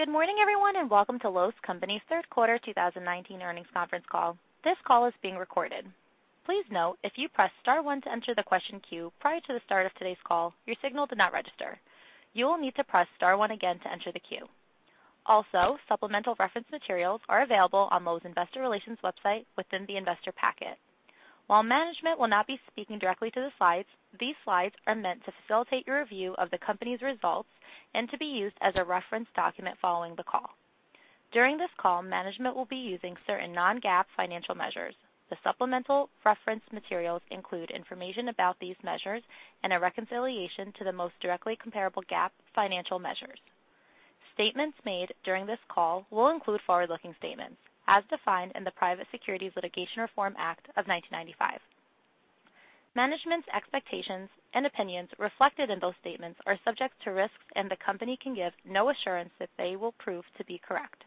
Good morning, everyone, and welcome to Lowe's Companies' third quarter 2019 earnings conference call. This call is being recorded. Please note if you pressed star one to enter the question queue prior to the start of today's call, your signal did not register. You will need to press star one again to enter the queue. Also, supplemental reference materials are available on Lowe's investor relations website within the investor packet. While management will not be speaking directly to the slides, these slides are meant to facilitate your review of the company's results and to be used as a reference document following the call. During this call, management will be using certain non-GAAP financial measures. The supplemental reference materials include information about these measures and a reconciliation to the most directly comparable GAAP financial measures. Statements made during this call will include forward-looking statements as defined in the Private Securities Litigation Reform Act of 1995. Management's expectations and opinions reflected in those statements are subject to risks, and the company can give no assurance that they will prove to be correct.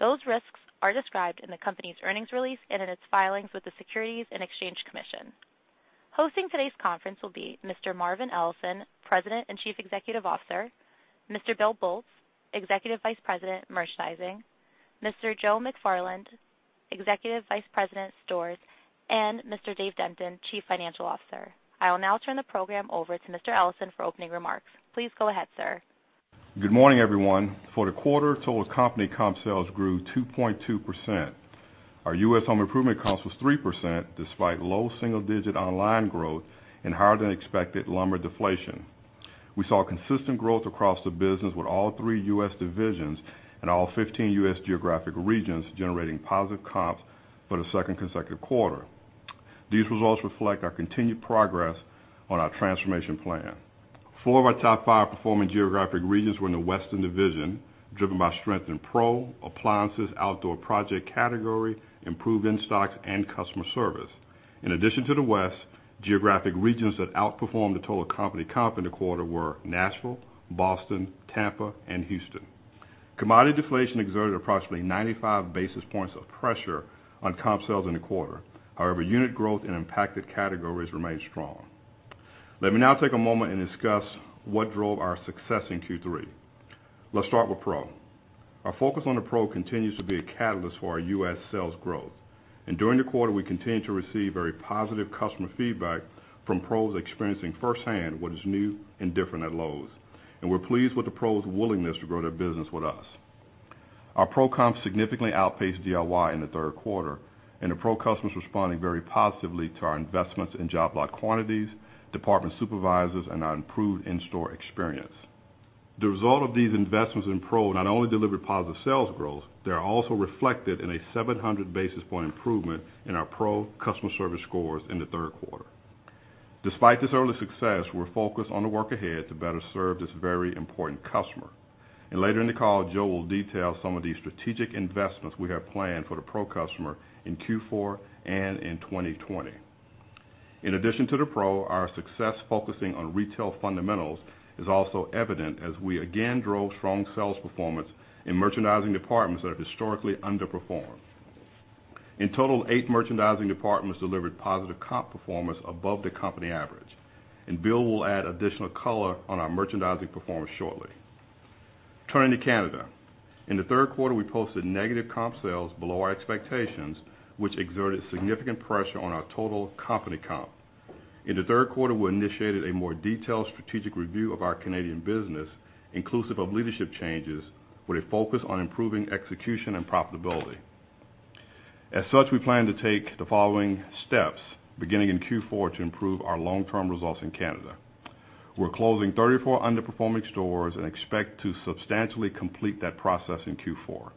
Those risks are described in the company's earnings release and in its filings with the Securities and Exchange Commission. Hosting today's conference will be Mr. Marvin Ellison, President and Chief Executive Officer, Mr. Bill Boltz, Executive Vice President, Merchandising, Mr. Joe McFarland, Executive Vice President, Stores, and Mr. Dave Denton, Chief Financial Officer. I will now turn the program over to Mr. Ellison for opening remarks. Please go ahead, sir. Good morning, everyone. For the quarter, total company comp sales grew 2.2%. Our U.S. home improvement comps was 3%, despite low single-digit online growth and higher than expected lumber deflation. We saw consistent growth across the business with all three U.S. divisions and all 15 U.S. geographic regions generating positive comps for the second consecutive quarter. These results reflect our continued progress on our transformation plan. Four of our top five performing geographic regions were in the Western Division, driven by strength in pro, appliances, outdoor project category, improved in-stocks, and customer service. In addition to the West, geographic regions that outperformed the total company comp in the quarter were Nashville, Boston, Tampa, and Houston. Commodity deflation exerted approximately 95 basis points of pressure on comp sales in the quarter. Unit growth in impacted categories remained strong. Let me now take a moment and discuss what drove our success in Q3. Let's start with pro. Our focus on the pro continues to be a catalyst for our U.S. sales growth. During the quarter, we continued to receive very positive customer feedback from pros experiencing firsthand what is new and different at Lowe's, and we're pleased with the pros' willingness to grow their business with us. Our pro comp significantly outpaced DIY in the third quarter, and the pro customer is responding very positively to our investments in job lot quantities, department supervisors, and our improved in-store experience. The result of these investments in pro not only delivered positive sales growth, they are also reflected in a 700 basis point improvement in our pro customer service scores in the third quarter. Despite this early success, we're focused on the work ahead to better serve this very important customer. Later in the call, Joe will detail some of these strategic investments we have planned for the pro customer in Q4 and in 2020. In addition to the pro, our success focusing on retail fundamentals is also evident as we again drove strong sales performance in merchandising departments that have historically underperformed. In total, eight merchandising departments delivered positive comp performance above the company average. Bill will add additional color on our merchandising performance shortly. Turning to Canada. In the third quarter, we posted negative comp sales below our expectations, which exerted significant pressure on our total company comp. In the third quarter, we initiated a more detailed strategic review of our Canadian business, inclusive of leadership changes with a focus on improving execution and profitability. As such, we plan to take the following steps beginning in Q4 to improve our long-term results in Canada. We're closing 34 underperforming stores and expect to substantially complete that process in Q4.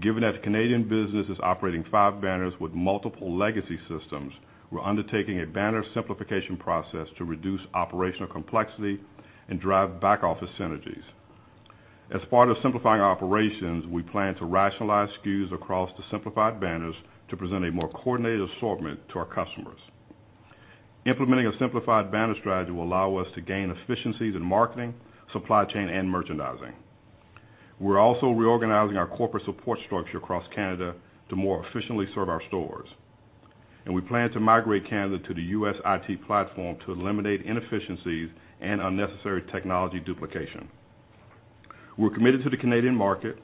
Given that the Canadian business is operating five banners with multiple legacy systems, we're undertaking a banner simplification process to reduce operational complexity and drive back-office synergies. As part of simplifying our operations, we plan to rationalize SKUs across the simplified banners to present a more coordinated assortment to our customers. Implementing a simplified banner strategy will allow us to gain efficiencies in marketing, supply chain, and merchandising. We're also reorganizing our corporate support structure across Canada to more efficiently serve our stores. We plan to migrate Canada to the U.S. IT platform to eliminate inefficiencies and unnecessary technology duplication. We're committed to the Canadian market,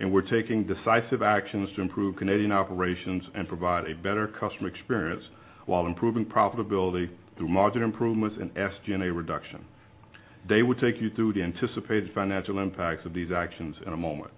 and we're taking decisive actions to improve Canadian operations and provide a better customer experience while improving profitability through margin improvements and SG&A reduction. Dave will take you through the anticipated financial impacts of these actions in a moment.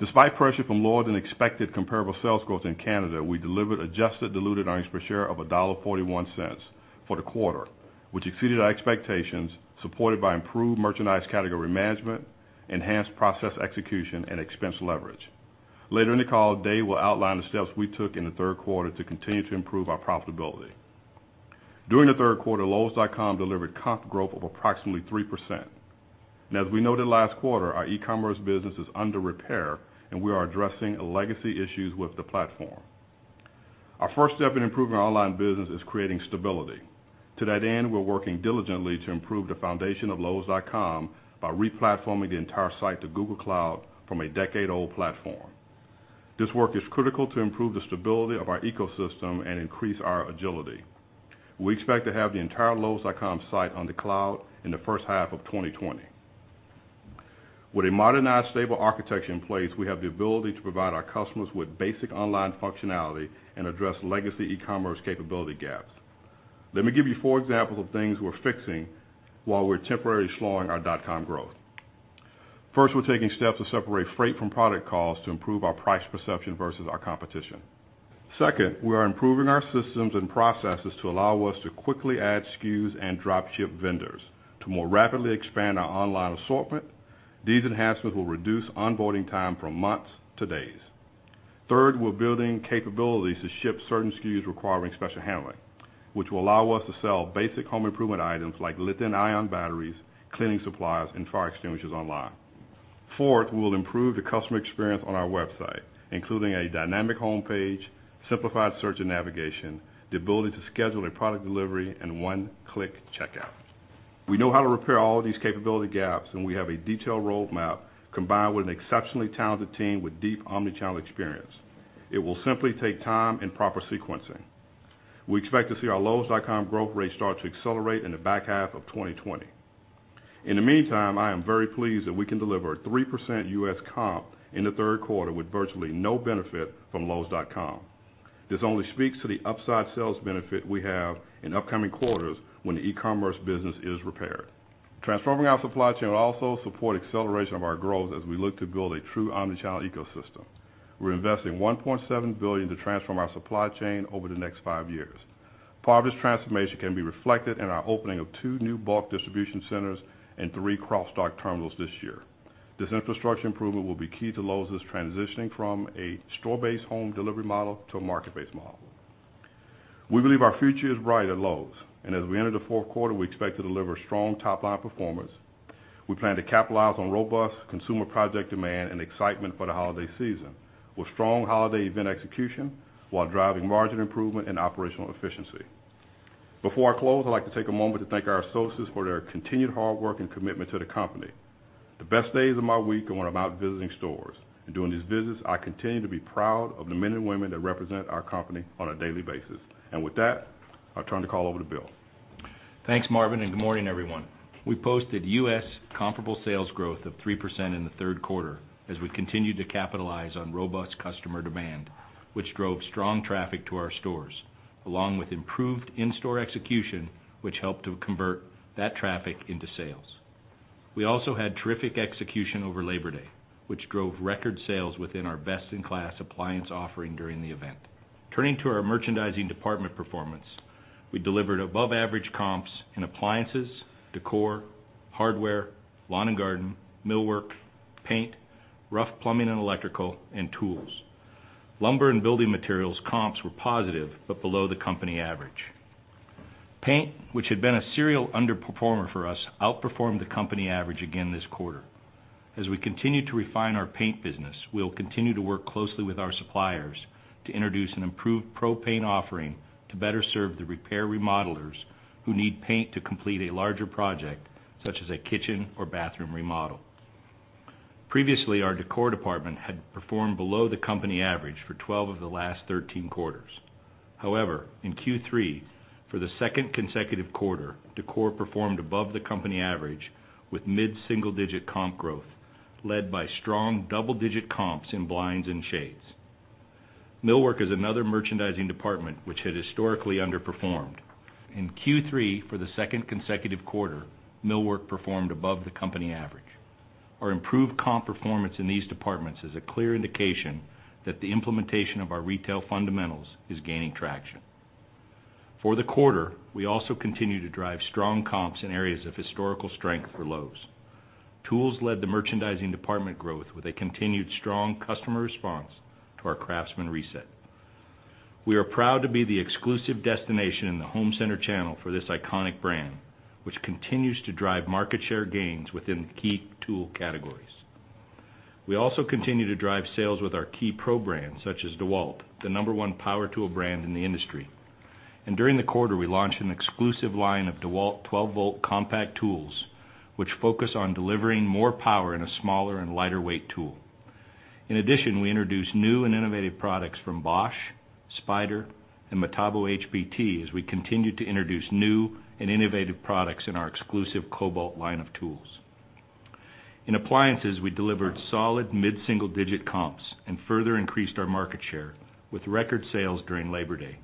Despite pressure from lower than expected comparable sales growth in Canada, we delivered adjusted diluted earnings per share of $1.41 for the quarter, which exceeded our expectations, supported by improved merchandise category management, enhanced process execution, and expense leverage. Later in the call, Dave will outline the steps we took in the third quarter to continue to improve our profitability. During the third quarter, lowes.com delivered comp growth of approximately 3%. Now, as we noted last quarter, our e-commerce business is under repair, and we are addressing legacy issues with the platform. Our first step in improving our online business is creating stability. To that end, we're working diligently to improve the foundation of lowes.com by re-platforming the entire site to Google Cloud from a decade-old platform. This work is critical to improve the stability of our ecosystem and increase our agility. We expect to have the entire lowes.com site on the cloud in the first half of 2020. With a modernized, stable architecture in place, we have the ability to provide our customers with basic online functionality and address legacy e-commerce capability gaps. Let me give you four examples of things we're fixing while we're temporarily slowing our .com growth. First, we're taking steps to separate freight from product costs to improve our price perception versus our competition. Second, we are improving our systems and processes to allow us to quickly add SKUs and drop ship vendors to more rapidly expand our online assortment. These enhancements will reduce onboarding time from months to days. Third, we're building capabilities to ship certain SKUs requiring special handling, which will allow us to sell basic home improvement items like lithium-ion batteries, cleaning supplies, and fire extinguishers online. Fourth, we will improve the customer experience on our website, including a dynamic homepage, simplified search and navigation, the ability to schedule a product delivery, and one-click checkout. We know how to repair all of these capability gaps, and we have a detailed roadmap combined with an exceptionally talented team with deep omnichannel experience. It will simply take time and proper sequencing. We expect to see our lowes.com growth rate start to accelerate in the back half of 2020. In the meantime, I am very pleased that we can deliver 3% U.S. comp in the third quarter with virtually no benefit from lowes.com. This only speaks to the upside sales benefit we have in upcoming quarters when the e-commerce business is repaired. Transforming our supply chain will also support acceleration of our growth as we look to build a true omnichannel ecosystem. We're investing $1.7 billion to transform our supply chain over the next five years. Part of this transformation can be reflected in our opening of two new bulk distribution centers and three cross-dock terminals this year. This infrastructure improvement will be key to Lowe's transitioning from a store-based home delivery model to a market-based model. We believe our future is bright at Lowe's, and as we enter the fourth quarter, we expect to deliver strong top-line performance. We plan to capitalize on robust consumer project demand and excitement for the holiday season, with strong holiday event execution while driving margin improvement and operational efficiency. Before I close, I'd like to take a moment to thank our associates for their continued hard work and commitment to the company. The best days of my week are when I'm out visiting stores. During these visits, I continue to be proud of the men and women that represent our company on a daily basis. With that, I'll turn the call over to Bill. Thanks, Marvin. Good morning, everyone. We posted U.S. comparable sales growth of 3% in the third quarter as we continued to capitalize on robust customer demand, which drove strong traffic to our stores, along with improved in-store execution, which helped to convert that traffic into sales. We also had terrific execution over Labor Day, which drove record sales within our best-in-class appliance offering during the event. Turning to our merchandising department performance, we delivered above-average comps in appliances, decor, hardware, lawn and garden, millwork, paint, rough plumbing and electrical, and tools. Lumber and building materials comps were positive, but below the company average. Paint, which had been a serial underperformer for us, outperformed the company average again this quarter. As we continue to refine our paint business, we will continue to work closely with our suppliers to introduce an improved pro paint offering to better serve the repair remodelers who need paint to complete a larger project, such as a kitchen or bathroom remodel. Previously, our decor department had performed below the company average for 12 of the last 13 quarters. However, in Q3, for the second consecutive quarter, decor performed above the company average with mid-single-digit comp growth, led by strong double-digit comps in blinds and shades. Millwork is another merchandising department which had historically underperformed. In Q3, for the second consecutive quarter, millwork performed above the company average. Our improved comp performance in these departments is a clear indication that the implementation of our retail fundamentals is gaining traction. For the quarter, we also continued to drive strong comps in areas of historical strength for Lowe's. Tools led the merchandising department growth with a continued strong customer response to our CRAFTSMAN reset. We are proud to be the exclusive destination in the home center channel for this iconic brand, which continues to drive market share gains within key tool categories. We also continue to drive sales with our key pro brands such as DEWALT, the number 1 power tool brand in the industry. During the quarter, we launched an exclusive line of DEWALT 12-volt compact tools, which focus on delivering more power in a smaller and lighter weight tool. In addition, we introduced new and innovative products from Bosch, Spyder, and Metabo HPT as we continue to introduce new and innovative products in our exclusive Kobalt line of tools. In appliances, we delivered solid mid-single-digit comps and further increased our market share with record sales during Labor Day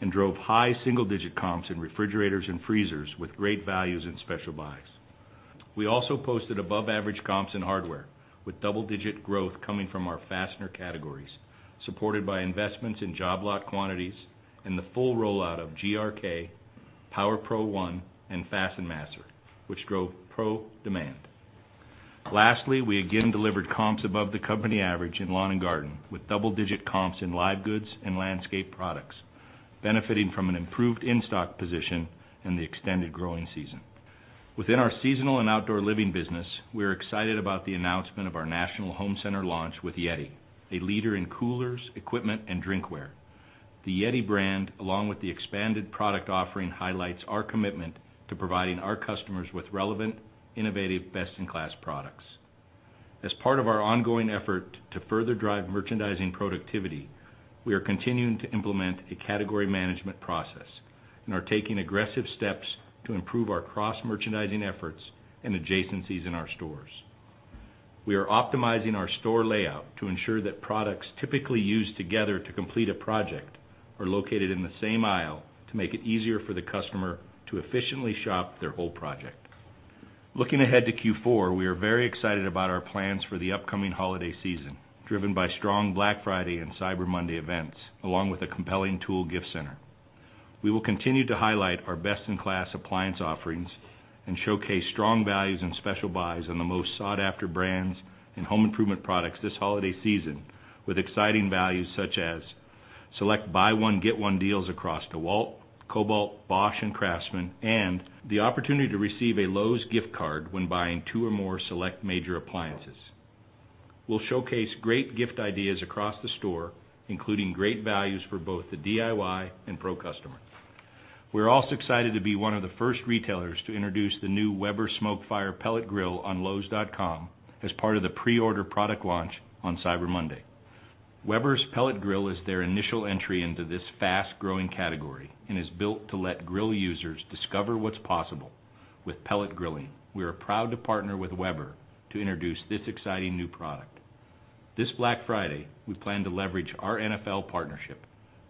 and drove high single-digit comps in refrigerators and freezers with great values and special buys. We also posted above-average comps in hardware with double-digit growth coming from our fastener categories, supported by investments in job lot quantities and the full rollout of GRK, Power Pro, and FastenMaster, which drove pro demand. Lastly, we again delivered comps above the company average in lawn and garden with double-digit comps in live goods and landscape products, benefiting from an improved in-stock position and the extended growing season. Within our seasonal and outdoor living business, we are excited about the announcement of our national home center launch with YETI, a leader in coolers, equipment, and drinkware. The YETI brand, along with the expanded product offering, highlights our commitment to providing our customers with relevant, innovative, best-in-class products. As part of our ongoing effort to further drive merchandising productivity, we are continuing to implement a category management process and are taking aggressive steps to improve our cross-merchandising efforts and adjacencies in our stores. We are optimizing our store layout to ensure that products typically used together to complete a project are located in the same aisle to make it easier for the customer to efficiently shop their whole project. Looking ahead to Q4, we are very excited about our plans for the upcoming holiday season, driven by strong Black Friday and Cyber Monday events, along with a compelling tool gift center. We will continue to highlight our best-in-class appliance offerings and showcase strong values and special buys on the most sought-after brands and home improvement products this holiday season with exciting values, such as select buy one, get one deals across DEWALT, Kobalt, Bosch, and CRAFTSMAN, and the opportunity to receive a Lowe's gift card when buying two or more select major appliances. We’ll showcase great gift ideas across the store, including great values for both the DIY and pro customer. We're also excited to be one of the first retailers to introduce the new Weber SmokeFire pellet grill on lowes.com as part of the pre-order product launch on Cyber Monday. Weber’s pellet grill is their initial entry into this fast-growing category and is built to let grill users discover what’s possible with pellet grilling. We are proud to partner with Weber to introduce this exciting new product. This Black Friday, we plan to leverage our NFL partnership,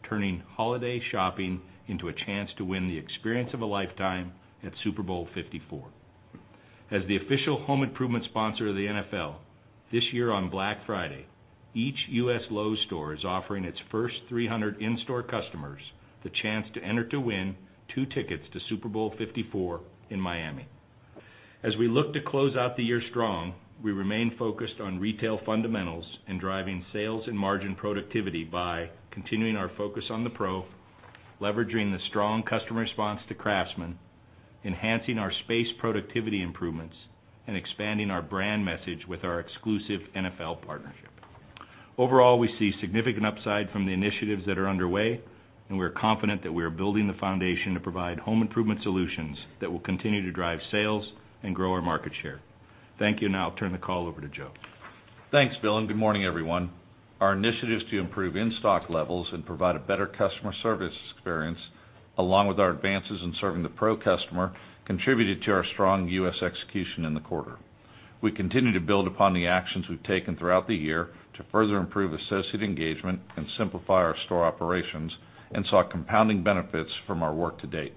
turning holiday shopping into a chance to win the experience of a lifetime at Super Bowl LIV. As the official home improvement sponsor of the NFL, this year on Black Friday, each U.S. Lowe's store is offering its first 300 in-store customers the chance to enter to win 2 tickets to Super Bowl LIV in Miami. As we look to close out the year strong, we remain focused on retail fundamentals and driving sales and margin productivity by continuing our focus on the pro, leveraging the strong customer response to CRAFTSMAN, enhancing our space productivity improvements, and expanding our brand message with our exclusive NFL partnership. Overall, we see significant upside from the initiatives that are underway, and we are confident that we are building the foundation to provide home improvement solutions that will continue to drive sales and grow our market share. Thank you. I’ll turn the call over to Joe. Thanks, Bill. Good morning, everyone. Our initiatives to improve in-stock levels and provide a better customer service experience, along with our advances in serving the pro customer, contributed to our strong U.S. execution in the quarter. We continue to build upon the actions we’ve taken throughout the year to further improve associate engagement and simplify our store operations and saw compounding benefits from our work to date.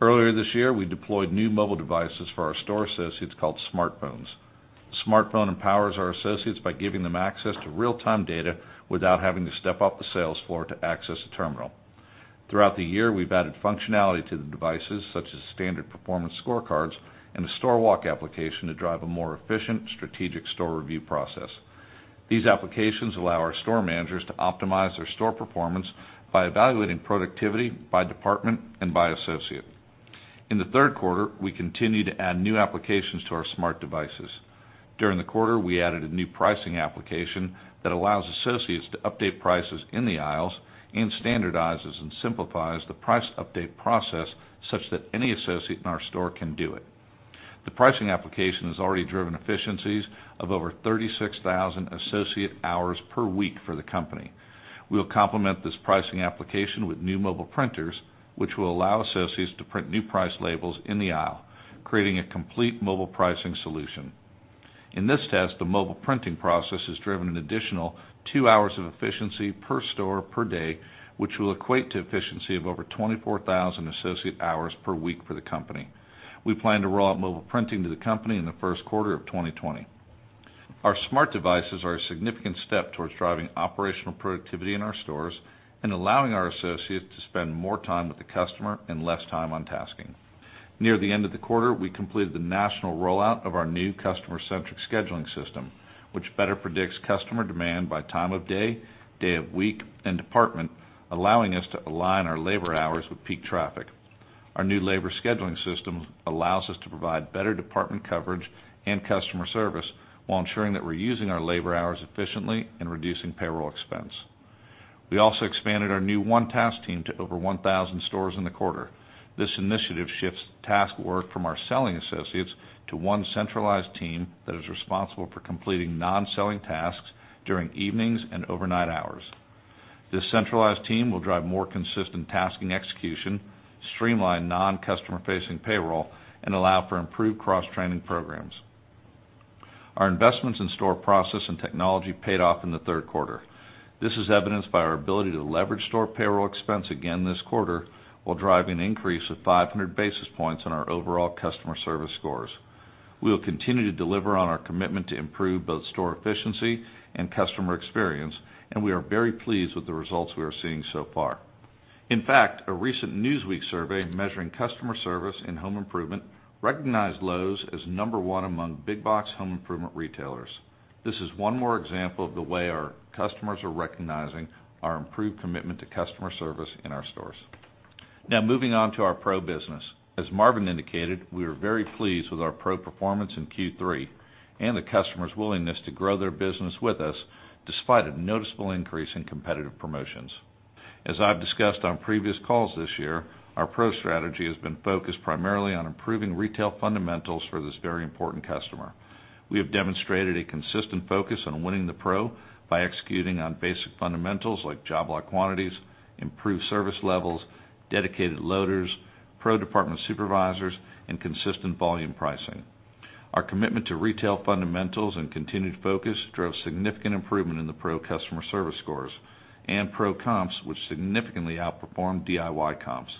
Earlier this year, we deployed new mobile devices for our store associates called smartphones. Smartphone empowers our associates by giving them access to real-time data without having to step off the sales floor to access a terminal. Throughout the year, we’ve added functionality to the devices such as standard performance scorecards and a store walk application to drive a more efficient strategic store review process. These applications allow our store managers to optimize their store performance by evaluating productivity by department and by associate. In the third quarter, we continued to add new applications to our smart devices. During the quarter, we added a new pricing application that allows associates to update prices in the aisles and standardizes and simplifies the price update process such that any associate in our store can do it. The pricing application has already driven efficiencies of over 36,000 associate hours per week for the company. We will complement this pricing application with new mobile printers, which will allow associates to print new price labels in the aisle, creating a complete mobile pricing solution. In this test, the mobile printing process has driven an additional two hours of efficiency per store per day, which will equate to efficiency of over 24,000 associate hours per week for the company. We plan to roll out mobile printing to the company in the first quarter of 2020. Our smart devices are a significant step towards driving operational productivity in our stores and allowing our associates to spend more time with the customer and less time on tasking. Near the end of the quarter, we completed the national rollout of our new customer-centric scheduling system, which better predicts customer demand by time of day of week, and department, allowing us to align our labor hours with peak traffic. Our new labor scheduling system allows us to provide better department coverage and customer service while ensuring that we’re using our labor hours efficiently and reducing payroll expense. We also expanded our new One Task team to over 1,000 stores in the quarter. This initiative shifts task work from our selling associates to one centralized team that is responsible for completing non-selling tasks during evenings and overnight hours. This centralized team will drive more consistent tasking execution, streamline non-customer-facing payroll, and allow for improved cross-training programs. Our investments in store process and technology paid off in the third quarter. This is evidenced by our ability to leverage store payroll expense again this quarter while driving an increase of 500 basis points on our overall customer service scores. We will continue to deliver on our commitment to improve both store efficiency and customer experience. We are very pleased with the results we are seeing so far. In fact, a recent Newsweek survey measuring customer service in home improvement recognized Lowe's as number one among big box home improvement retailers. This is one more example of the way our customers are recognizing our improved commitment to customer service in our stores. Now moving on to our pro business. As Marvin indicated, we are very pleased with our pro performance in Q3 and the customers' willingness to grow their business with us, despite a noticeable increase in competitive promotions. As I've discussed on previous calls this year, our pro strategy has been focused primarily on improving retail fundamentals for this very important customer. We have demonstrated a consistent focus on winning the pro by executing on basic fundamentals like job lock quantities, improved service levels, dedicated loaders, pro department supervisors, and consistent volume pricing. Our commitment to retail fundamentals and continued focus drove significant improvement in the pro customer service scores and pro comps, which significantly outperformed DIY comps.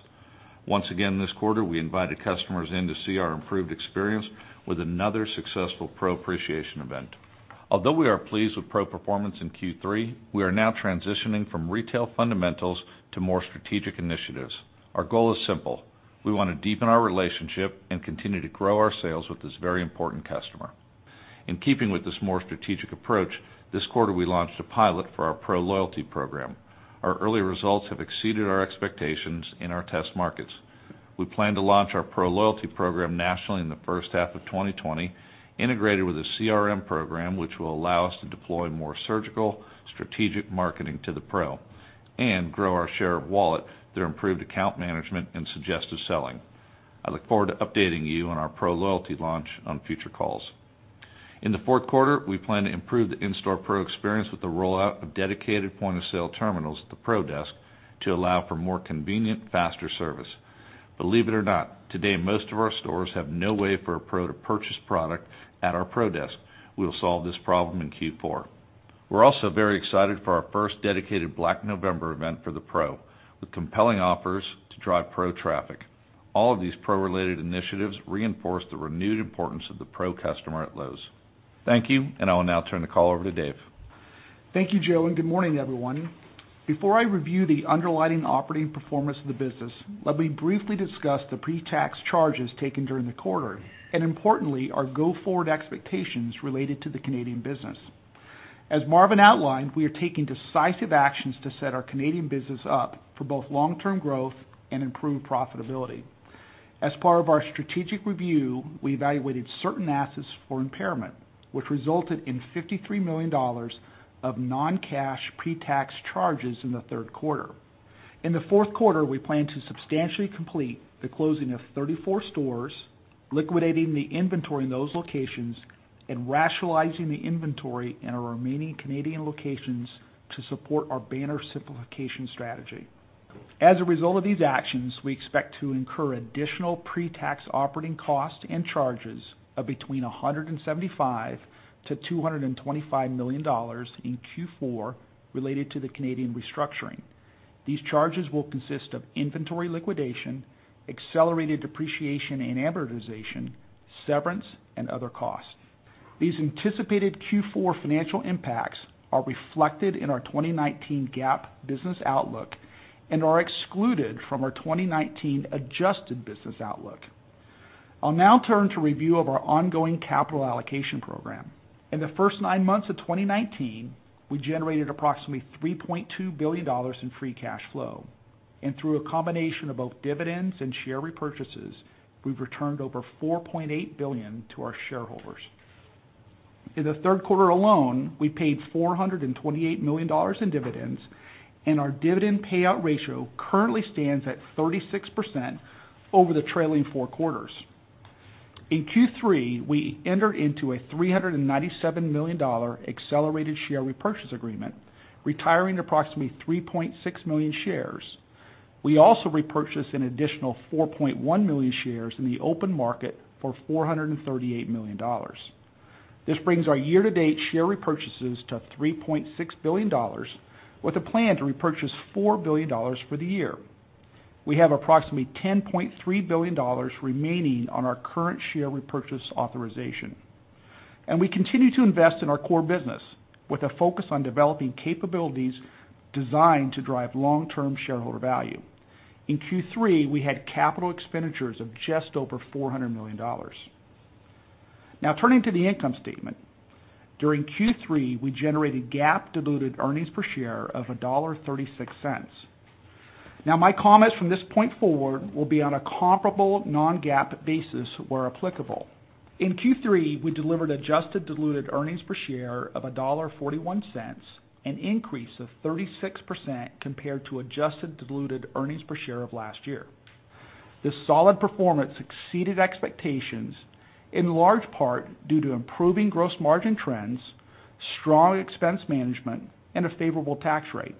Once again this quarter, we invited customers in to see our improved experience with another successful pro appreciation event. Although we are pleased with pro performance in Q3, we are now transitioning from retail fundamentals to more strategic initiatives. Our goal is simple: we want to deepen our relationship and continue to grow our sales with this very important customer. In keeping with this more strategic approach, this quarter we launched a pilot for our Pro Loyalty Program. Our early results have exceeded our expectations in our test markets. We plan to launch our Pro Loyalty Program nationally in the first half of 2020, integrated with a CRM Program, which will allow us to deploy more surgical, strategic marketing to the pro and grow our share of wallet through improved account management and suggestive selling. I look forward to updating you on our Pro Loyalty launch on future calls. In the fourth quarter, we plan to improve the in-store pro experience with the rollout of dedicated point-of-sale terminals at the pro desk to allow for more convenient, faster service. Believe it or not, today, most of our stores have no way for a pro to purchase product at our pro desk. We'll solve this problem in Q4. We're also very excited for our first dedicated Black November event for the pro, with compelling offers to drive pro traffic. All of these pro-related initiatives reinforce the renewed importance of the pro customer at Lowe's. Thank you, and I will now turn the call over to Dave. Thank you, Joe, and good morning, everyone. Before I review the underlying operating performance of the business, let me briefly discuss the pre-tax charges taken during the quarter, and importantly, our go-forward expectations related to the Canadian business. As Marvin outlined, we are taking decisive actions to set our Canadian business up for both long-term growth and improved profitability. As part of our strategic review, we evaluated certain assets for impairment, which resulted in $53 million of non-cash pre-tax charges in the third quarter. In the fourth quarter, we plan to substantially complete the closing of 34 stores, liquidating the inventory in those locations, and rationalizing the inventory in our remaining Canadian locations to support our banner simplification strategy. As a result of these actions, we expect to incur additional pre-tax operating costs and charges of between $175 million-$225 million in Q4 related to the Canadian restructuring. These charges will consist of inventory liquidation, accelerated depreciation and amortization, severance, and other costs. These anticipated Q4 financial impacts are reflected in our 2019 GAAP business outlook and are excluded from our 2019 adjusted business outlook. I'll now turn to review of our ongoing capital allocation program. In the first nine months of 2019, we generated approximately $3.2 billion in free cash flow. Through a combination of both dividends and share repurchases, we've returned over $4.8 billion to our shareholders. In the third quarter alone, we paid $428 million in dividends, and our dividend payout ratio currently stands at 36% over the trailing four quarters. In Q3, we entered into a $397 million accelerated share repurchase agreement, retiring approximately 3.6 million shares. We also repurchased an additional 4.1 million shares in the open market for $438 million. This brings our year-to-date share repurchases to $3.6 billion, with a plan to repurchase $4 billion for the year. We have approximately $10.3 billion remaining on our current share repurchase authorization. We continue to invest in our core business with a focus on developing capabilities designed to drive long-term shareholder value. In Q3, we had capital expenditures of just over $400 million. Turning to the income statement. During Q3, we generated GAAP diluted earnings per share of $1.36. My comments from this point forward will be on a comparable non-GAAP basis where applicable. In Q3, we delivered adjusted diluted earnings per share of $1.41, an increase of 36% compared to adjusted diluted earnings per share of last year. This solid performance exceeded expectations in large part due to improving gross margin trends, strong expense management, and a favorable tax rate.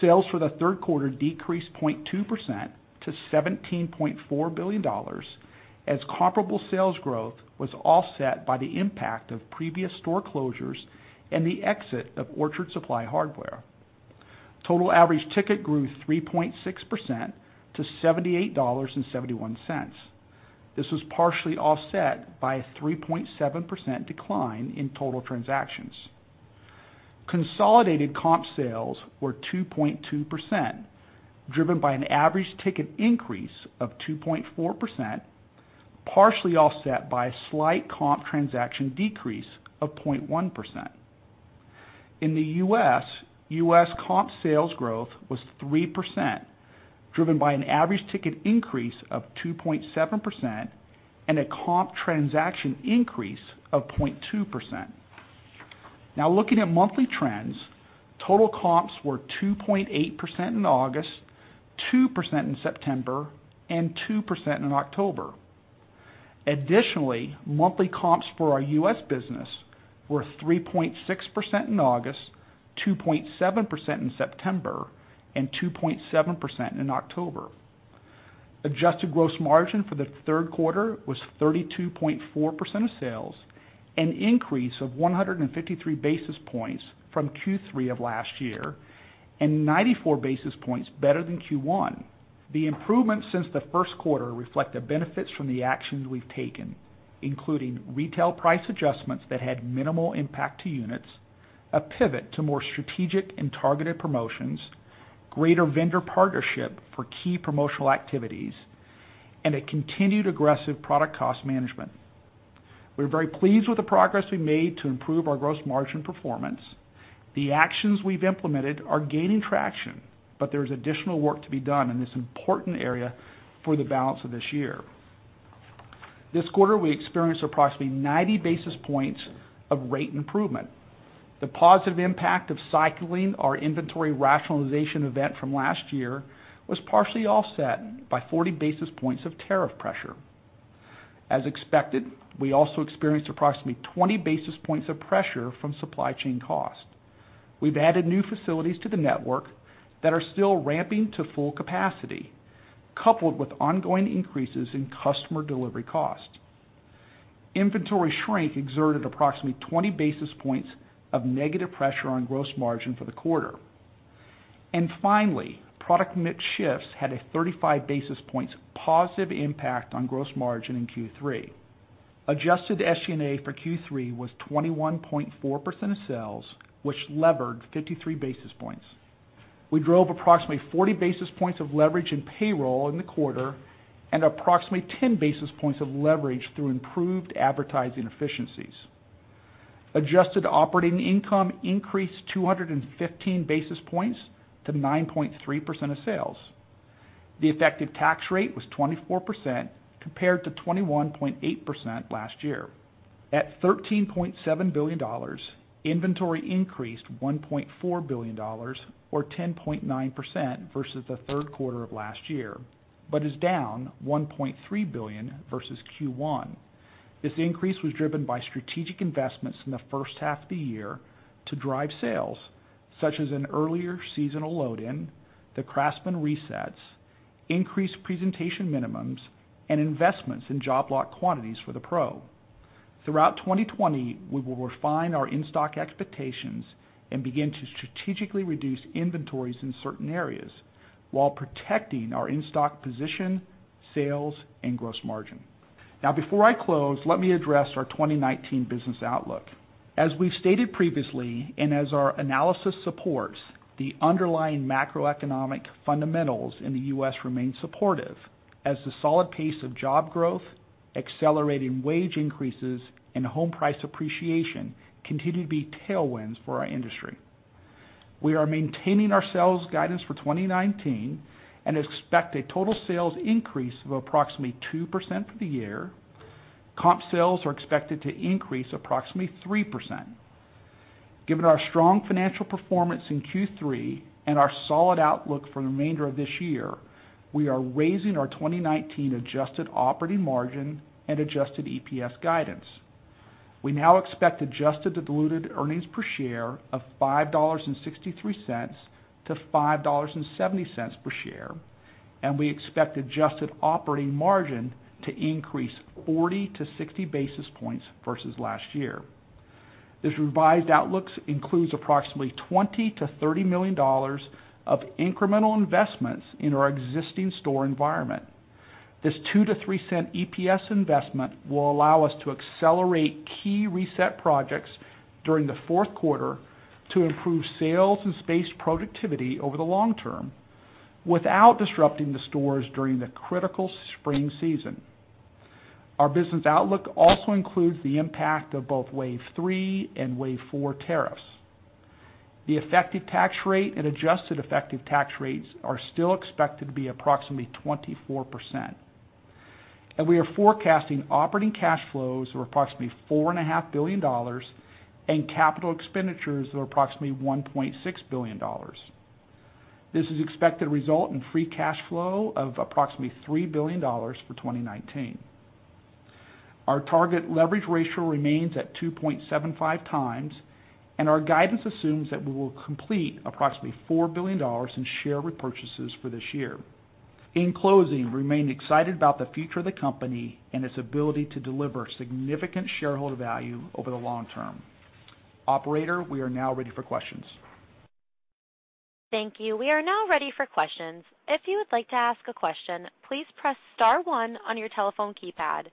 Sales for the third quarter decreased 0.2% to $17.4 billion, as comparable sales growth was offset by the impact of previous store closures and the exit of Orchard Supply Hardware. Total average ticket grew 3.6% to $78.71. This was partially offset by a 3.7% decline in total transactions. Consolidated comp sales were 2.2%, driven by an average ticket increase of 2.4%, partially offset by a slight comp transaction decrease of 0.1%. In the U.S., U.S. comp sales growth was 3%, driven by an average ticket increase of 2.7% and a comp transaction increase of 0.2%. Looking at monthly trends, total comps were 2.8% in August, 2% in September, and 2% in October. Additionally, monthly comps for our U.S. business were 3.6% in August, 2.7% in September, and 2.7% in October. Adjusted gross margin for the third quarter was 32.4% of sales, an increase of 153 basis points from Q3 of last year and 94 basis points better than Q1. The improvements since the first quarter reflect the benefits from the actions we've taken, including retail price adjustments that had minimal impact to units, a pivot to more strategic and targeted promotions, greater vendor partnership for key promotional activities, and a continued aggressive product cost management. We're very pleased with the progress we've made to improve our gross margin performance. The actions we've implemented are gaining traction, but there is additional work to be done in this important area for the balance of this year. This quarter, we experienced approximately 90 basis points of rate improvement. The positive impact of cycling our inventory rationalization event from last year was partially offset by 40 basis points of tariff pressure. As expected, we also experienced approximately 20 basis points of pressure from supply chain cost. We've added new facilities to the network that are still ramping to full capacity, coupled with ongoing increases in customer delivery cost. Inventory shrink exerted approximately 20 basis points of negative pressure on gross margin for the quarter. Finally, product mix shifts had a 35 basis points positive impact on gross margin in Q3. Adjusted SG&A for Q3 was 21.4% of sales, which levered 53 basis points. We drove approximately 40 basis points of leverage in payroll in the quarter and approximately 10 basis points of leverage through improved advertising efficiencies. Adjusted operating income increased 215 basis points to 9.3% of sales. The effective tax rate was 24%, compared to 21.8% last year. At $13.7 billion, inventory increased $1.4 billion, or 10.9% versus the third quarter of last year, is down $1.3 billion versus Q1. This increase was driven by strategic investments in the first half of the year to drive sales, such as an earlier seasonal load in, the CRAFTSMAN resets, increased presentation minimums, and investments in job lock quantities for the pro. Throughout 2020, we will refine our in-stock expectations and begin to strategically reduce inventories in certain areas while protecting our in-stock position, sales, and gross margin. Before I close, let me address our 2019 business outlook. As we've stated previously and as our analysis supports, the underlying macroeconomic fundamentals in the U.S. remain supportive as the solid pace of job growth, accelerating wage increases, and home price appreciation continue to be tailwinds for our industry. We are maintaining our sales guidance for 2019 and expect a total sales increase of approximately 2% for the year. comp sales are expected to increase approximately 3%. Given our strong financial performance in Q3 and our solid outlook for the remainder of this year, we are raising our 2019 adjusted operating margin and adjusted EPS guidance. We now expect adjusted diluted earnings per share of $5.63-$5.70 per share, and we expect adjusted operating margin to increase 40-60 basis points versus last year. This revised outlook includes approximately $20 million-$30 million of incremental investments in our existing store environment. This $0.02-$0.03 EPS investment will allow us to accelerate key reset projects during the fourth quarter to improve sales and space productivity over the long term without disrupting the stores during the critical spring season. Our business outlook also includes the impact of both wave 3 and wave 4 tariffs. The effective tax rate and adjusted effective tax rates are still expected to be approximately 24%. We are forecasting operating cash flows of approximately $4.5 billion and capital expenditures of approximately $1.6 billion. This is expected to result in free cash flow of approximately $3 billion for 2019. Our target leverage ratio remains at 2.75 times, and our guidance assumes that we will complete approximately $4 billion in share repurchases for this year. In closing, we remain excited about the future of the company and its ability to deliver significant shareholder value over the long term. Operator, we are now ready for questions. Thank you. We are now ready for questions. If you would like to ask a question, please press star one on your telephone keypad.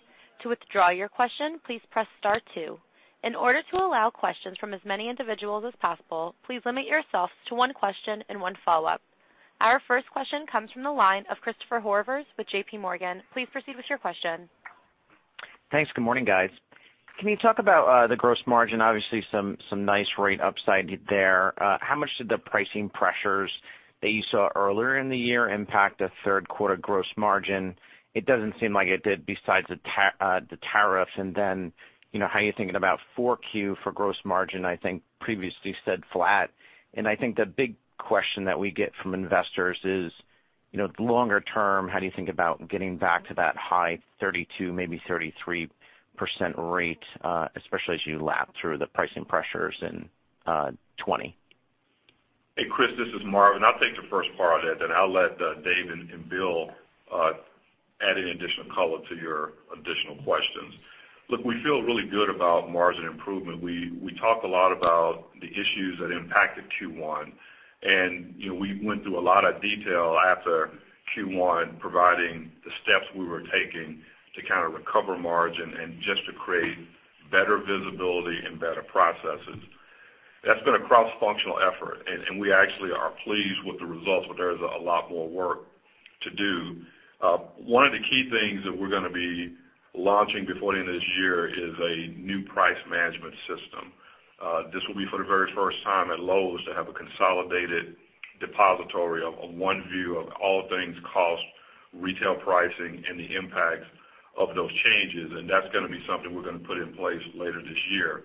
To withdraw your question, please press star two. In order to allow questions from as many individuals as possible, please limit yourself to one question and one follow-up. Our first question comes from the line of Christopher Horvers with JP Morgan. Please proceed with your question. Thanks. Good morning, guys. Can you talk about the gross margin? Obviously, some nice rate upside there. How much did the pricing pressures that you saw earlier in the year impact the third quarter gross margin? It doesn't seem like it did besides the tariff. Then, how are you thinking about 4Q for gross margin? I think previously said flat. I think the big question that we get from investors is, longer term, how do you think about getting back to that high 32%, maybe 33% rate, especially as you lap through the pricing pressures in 2020? Hey, Chris, this is Marvin. I'll take the first part of that, then I'll let Dave and Bill add any additional color to your additional questions. Look, we feel really good about margin improvement. We talked a lot about the issues that impacted Q1. We went through a lot of detail after Q1, providing the steps we were taking to kind of recover margin and just to create better visibility and better processes. That's been a cross-functional effort, and we actually are pleased with the results, but there's a lot more work to do. One of the key things that we're going to be launching before the end of this year is a new price management system. This will be for the very first time at Lowe's to have a consolidated depository of one view of all things cost, retail pricing, and the impacts of those changes. That's going to be something we're going to put in place later this year.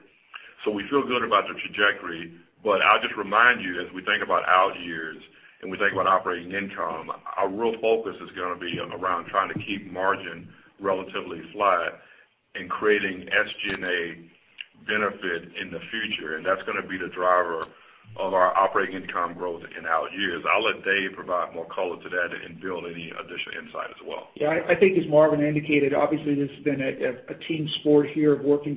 We feel good about the trajectory, but I'll just remind you, as we think about out years and we think about operating income, our real focus is going to be around trying to keep margin relatively flat and creating SG&A benefit in the future. That's going to be the driver of our operating income growth in out years. I'll let Dave provide more color to that and Bill, any additional insight as well. I think as Marvin indicated, obviously this has been a team sport here of working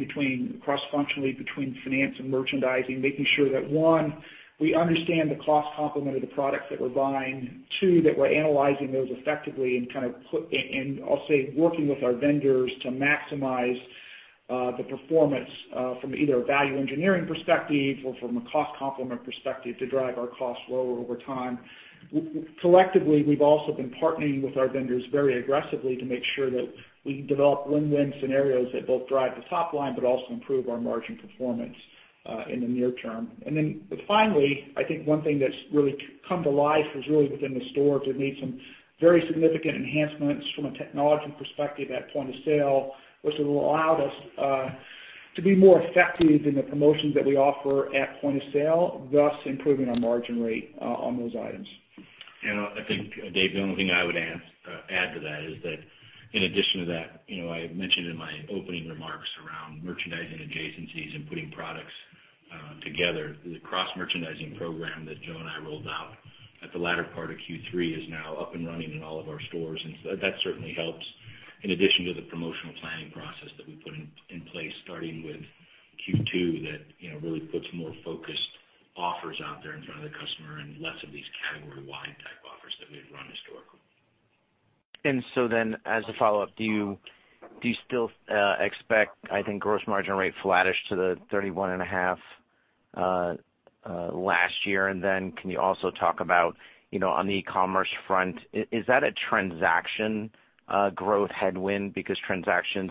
cross-functionally between finance and merchandising, making sure that, 1, we understand the cost complement of the products that we're buying. 2, that we're analyzing those effectively and I'll say working with our vendors to maximize the performance from either a value engineering perspective or from a cost complement perspective to drive our costs lower over time. Collectively, we've also been partnering with our vendors very aggressively to make sure that we develop win-win scenarios that both drive the top line, but also improve our margin performance in the near term. Finally, I think one thing that's really come to life is really within the stores. We've made some very significant enhancements from a technology perspective at point of sale, which will allow us to be more effective in the promotions that we offer at point of sale, thus improving our margin rate on those items. I think, Dave, the only thing I would add to that is that in addition to that, I had mentioned in my opening remarks around merchandising adjacencies and putting products together. The cross-merchandising program that Joe and I rolled out at the latter part of Q3 is now up and running in all of our stores. That certainly helps in addition to the promotional planning process that we put in place starting with Q2 that really puts more focused offers out there in front of the customer and less of these category-wide type offers that we've run historically. As a follow-up, do you still expect, I think, gross margin rate flattish to the 31.5 last year? Then can you also talk about on the e-commerce front, is that a transaction growth headwind? Because transactions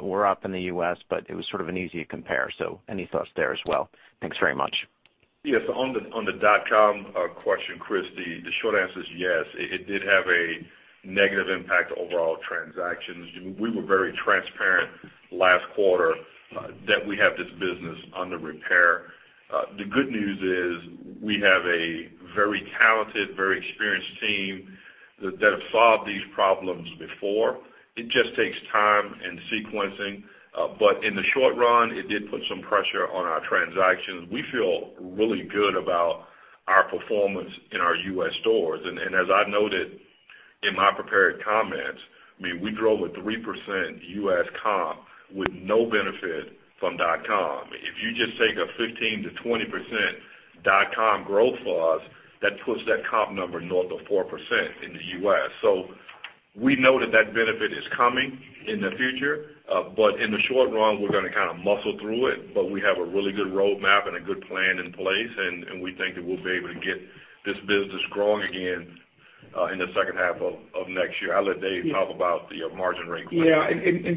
were up in the U.S., but it was sort of an easy compare. Any thoughts there as well? Thanks very much. Yes. On the .com question, Chris, the short answer is yes, it did have a negative impact overall transactions. We were very transparent last quarter that we have this business under repair. The good news is we have a very talented, very experienced team that have solved these problems before. It just takes time and sequencing. In the short run, it did put some pressure on our transactions. We feel really good about our performance in our U.S. stores. As I noted in my prepared comments, we drove a 3% U.S. comp with no benefit from .com. If you just take a 15%-20% .com growth for us, that puts that comp number north of 4% in the U.S. We know that benefit is coming in the future. In the short run, we're going to kind of muscle through it. We have a really good roadmap and a good plan in place, and we think that we'll be able to get this business growing again in the second half of next year. I'll let Dave talk about the margin rate. Yeah.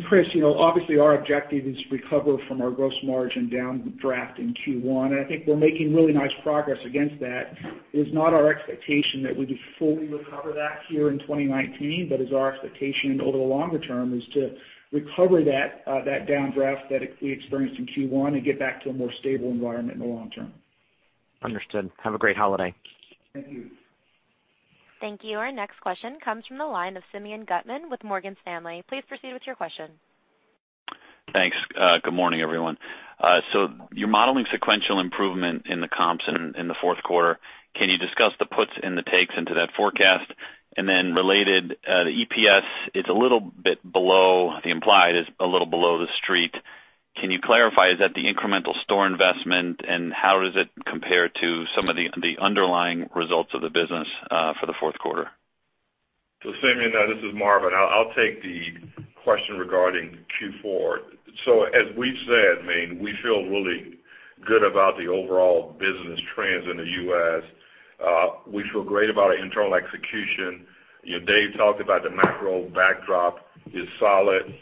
Chris, obviously our objective is to recover from our gross margin downdraft in Q1, and I think we're making really nice progress against that. It is not our expectation that we fully recover that here in 2019, but it is our expectation over the longer term is to recover that downdraft that we experienced in Q1 and get back to a more stable environment in the long term. Understood. Have a great holiday. Thank you. Thank you. Our next question comes from the line of Simeon Gutman with Morgan Stanley. Please proceed with your question. Thanks. Good morning, everyone. You're modeling sequential improvement in the comps in the fourth quarter. Can you discuss the puts and the takes into that forecast? Related, the EPS, the implied is a little below the street. Can you clarify, is that the incremental store investment, and how does it compare to some of the underlying results of the business for the fourth quarter? Simeon, this is Marvin. I'll take the question regarding Q4. As we've said, we feel really good about the overall business trends in the U.S. We feel great about our internal execution. Dave talked about the macro backdrop is solid.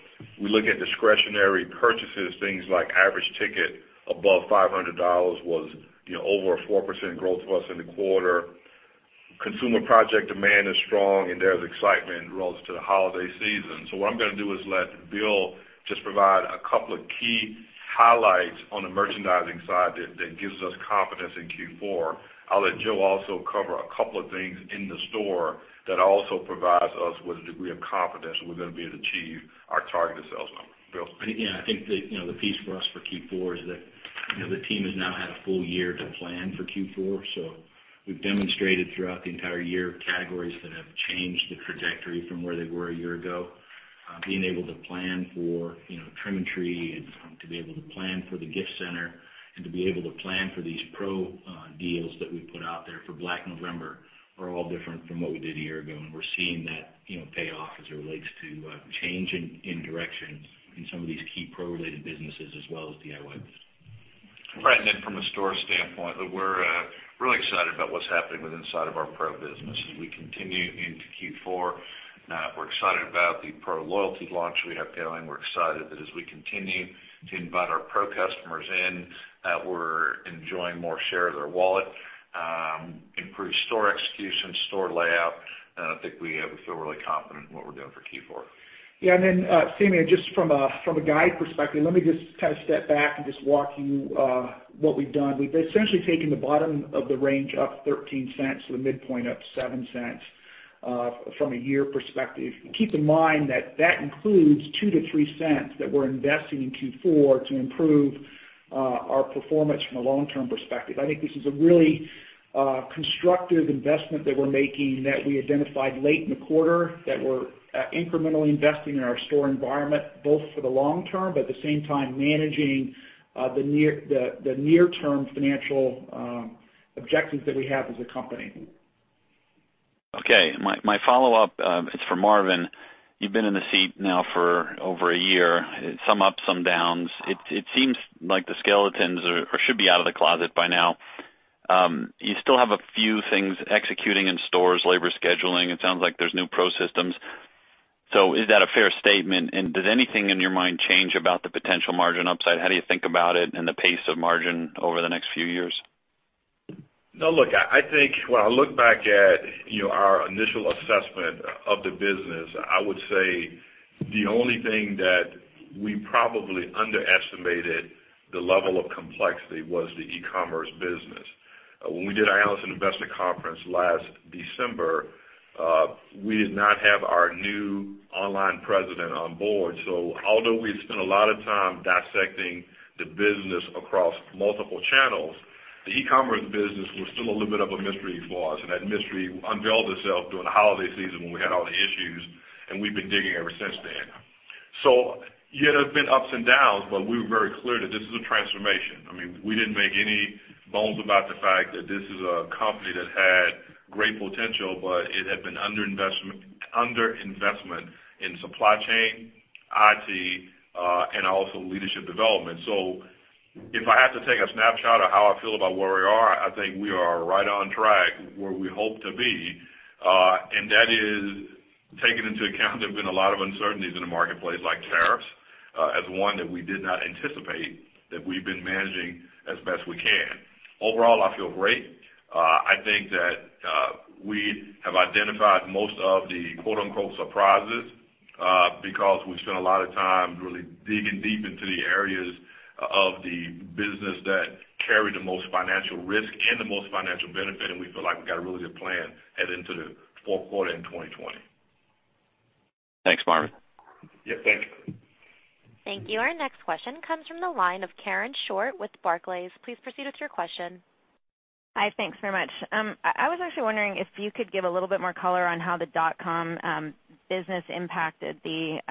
We look at discretionary purchases, things like average ticket above $500 was over a 4% growth for us in the quarter. Consumer project demand is strong, and there's excitement relative to the holiday season. What I'm going to do is let Bill just provide a couple of key highlights on the merchandising side that gives us confidence in Q4. I'll let Joe also cover a couple of things in the store that also provides us with a degree of confidence that we're going to be able to achieve our targeted sales number. Bill? Yeah, I think the piece for us for Q4 is that the team has now had a full year to plan for Q4. We've demonstrated throughout the entire year categories that have changed the trajectory from where they were a year ago. Being able to plan for Trim A Tree and to be able to plan for the gift center and to be able to plan for these pro deals that we put out there for Black November are all different from what we did a year ago. We're seeing that pay off as it relates to change in direction in some of these key pro-related businesses as well as DIY business. Right. From a store standpoint, look, we're really excited about what's happening with inside of our pro business as we continue into Q4. We're excited about the pro loyalty launch we have going. We're excited that as we continue to invite our pro customers in, we're enjoying more share of their wallet. Improved store execution, store layout. I think we feel really confident in what we're doing for Q4. Yeah. Then Simeon, just from a guide perspective, let me just step back and just walk you what we've done. We've essentially taken the bottom of the range up $0.13 to the midpoint up $0.07. From a year perspective, keep in mind that that includes $0.02-$0.03 that we're investing in Q4 to improve our performance from a long-term perspective. I think this is a really constructive investment that we're making, that we identified late in the quarter, that we're incrementally investing in our store environment, both for the long term, but at the same time, managing the near-term financial objectives that we have as a company. Okay. My follow-up is for Marvin. You've been in the seat now for over a year, some ups, some downs. It seems like the skeletons should be out of the closet by now. You still have a few things executing in stores, labor scheduling. It sounds like there's new pro systems. Is that a fair statement? Does anything in your mind change about the potential margin upside? How do you think about it and the pace of margin over the next few years? No, look, I think when I look back at our initial assessment of the business, I would say the only thing that we probably underestimated the level of complexity was the e-commerce business. When we did our analyst investment conference last December, we did not have our new online president on board. Although we had spent a lot of time dissecting the business across multiple channels, the e-commerce business was still a little bit of a mystery to us. That mystery unveiled itself during the holiday season when we had all the issues, and we've been digging ever since then. Yeah, there's been ups and downs, but we were very clear that this is a transformation. We didn't make any bones about the fact that this is a company that had great potential, but it had been underinvestment in supply chain, IT, and also leadership development. If I had to take a snapshot of how I feel about where we are, I think we are right on track where we hope to be. That is taking into account there have been a lot of uncertainties in the marketplace, like tariffs, as one that we did not anticipate, that we've been managing as best we can. Overall, I feel great. I think that we have identified most of the "surprises" because we've spent a lot of time really digging deep into the areas of the business that carry the most financial risk and the most financial benefit. We feel like we've got a really good plan heading into the fourth quarter in 2020. Thanks, Marvin. Yep, thank you. Thank you. Our next question comes from the line of Karen Short with Barclays. Please proceed with your question. Hi. Thanks very much. I was actually wondering if you could give a little bit more color on how the dot-com business impacted the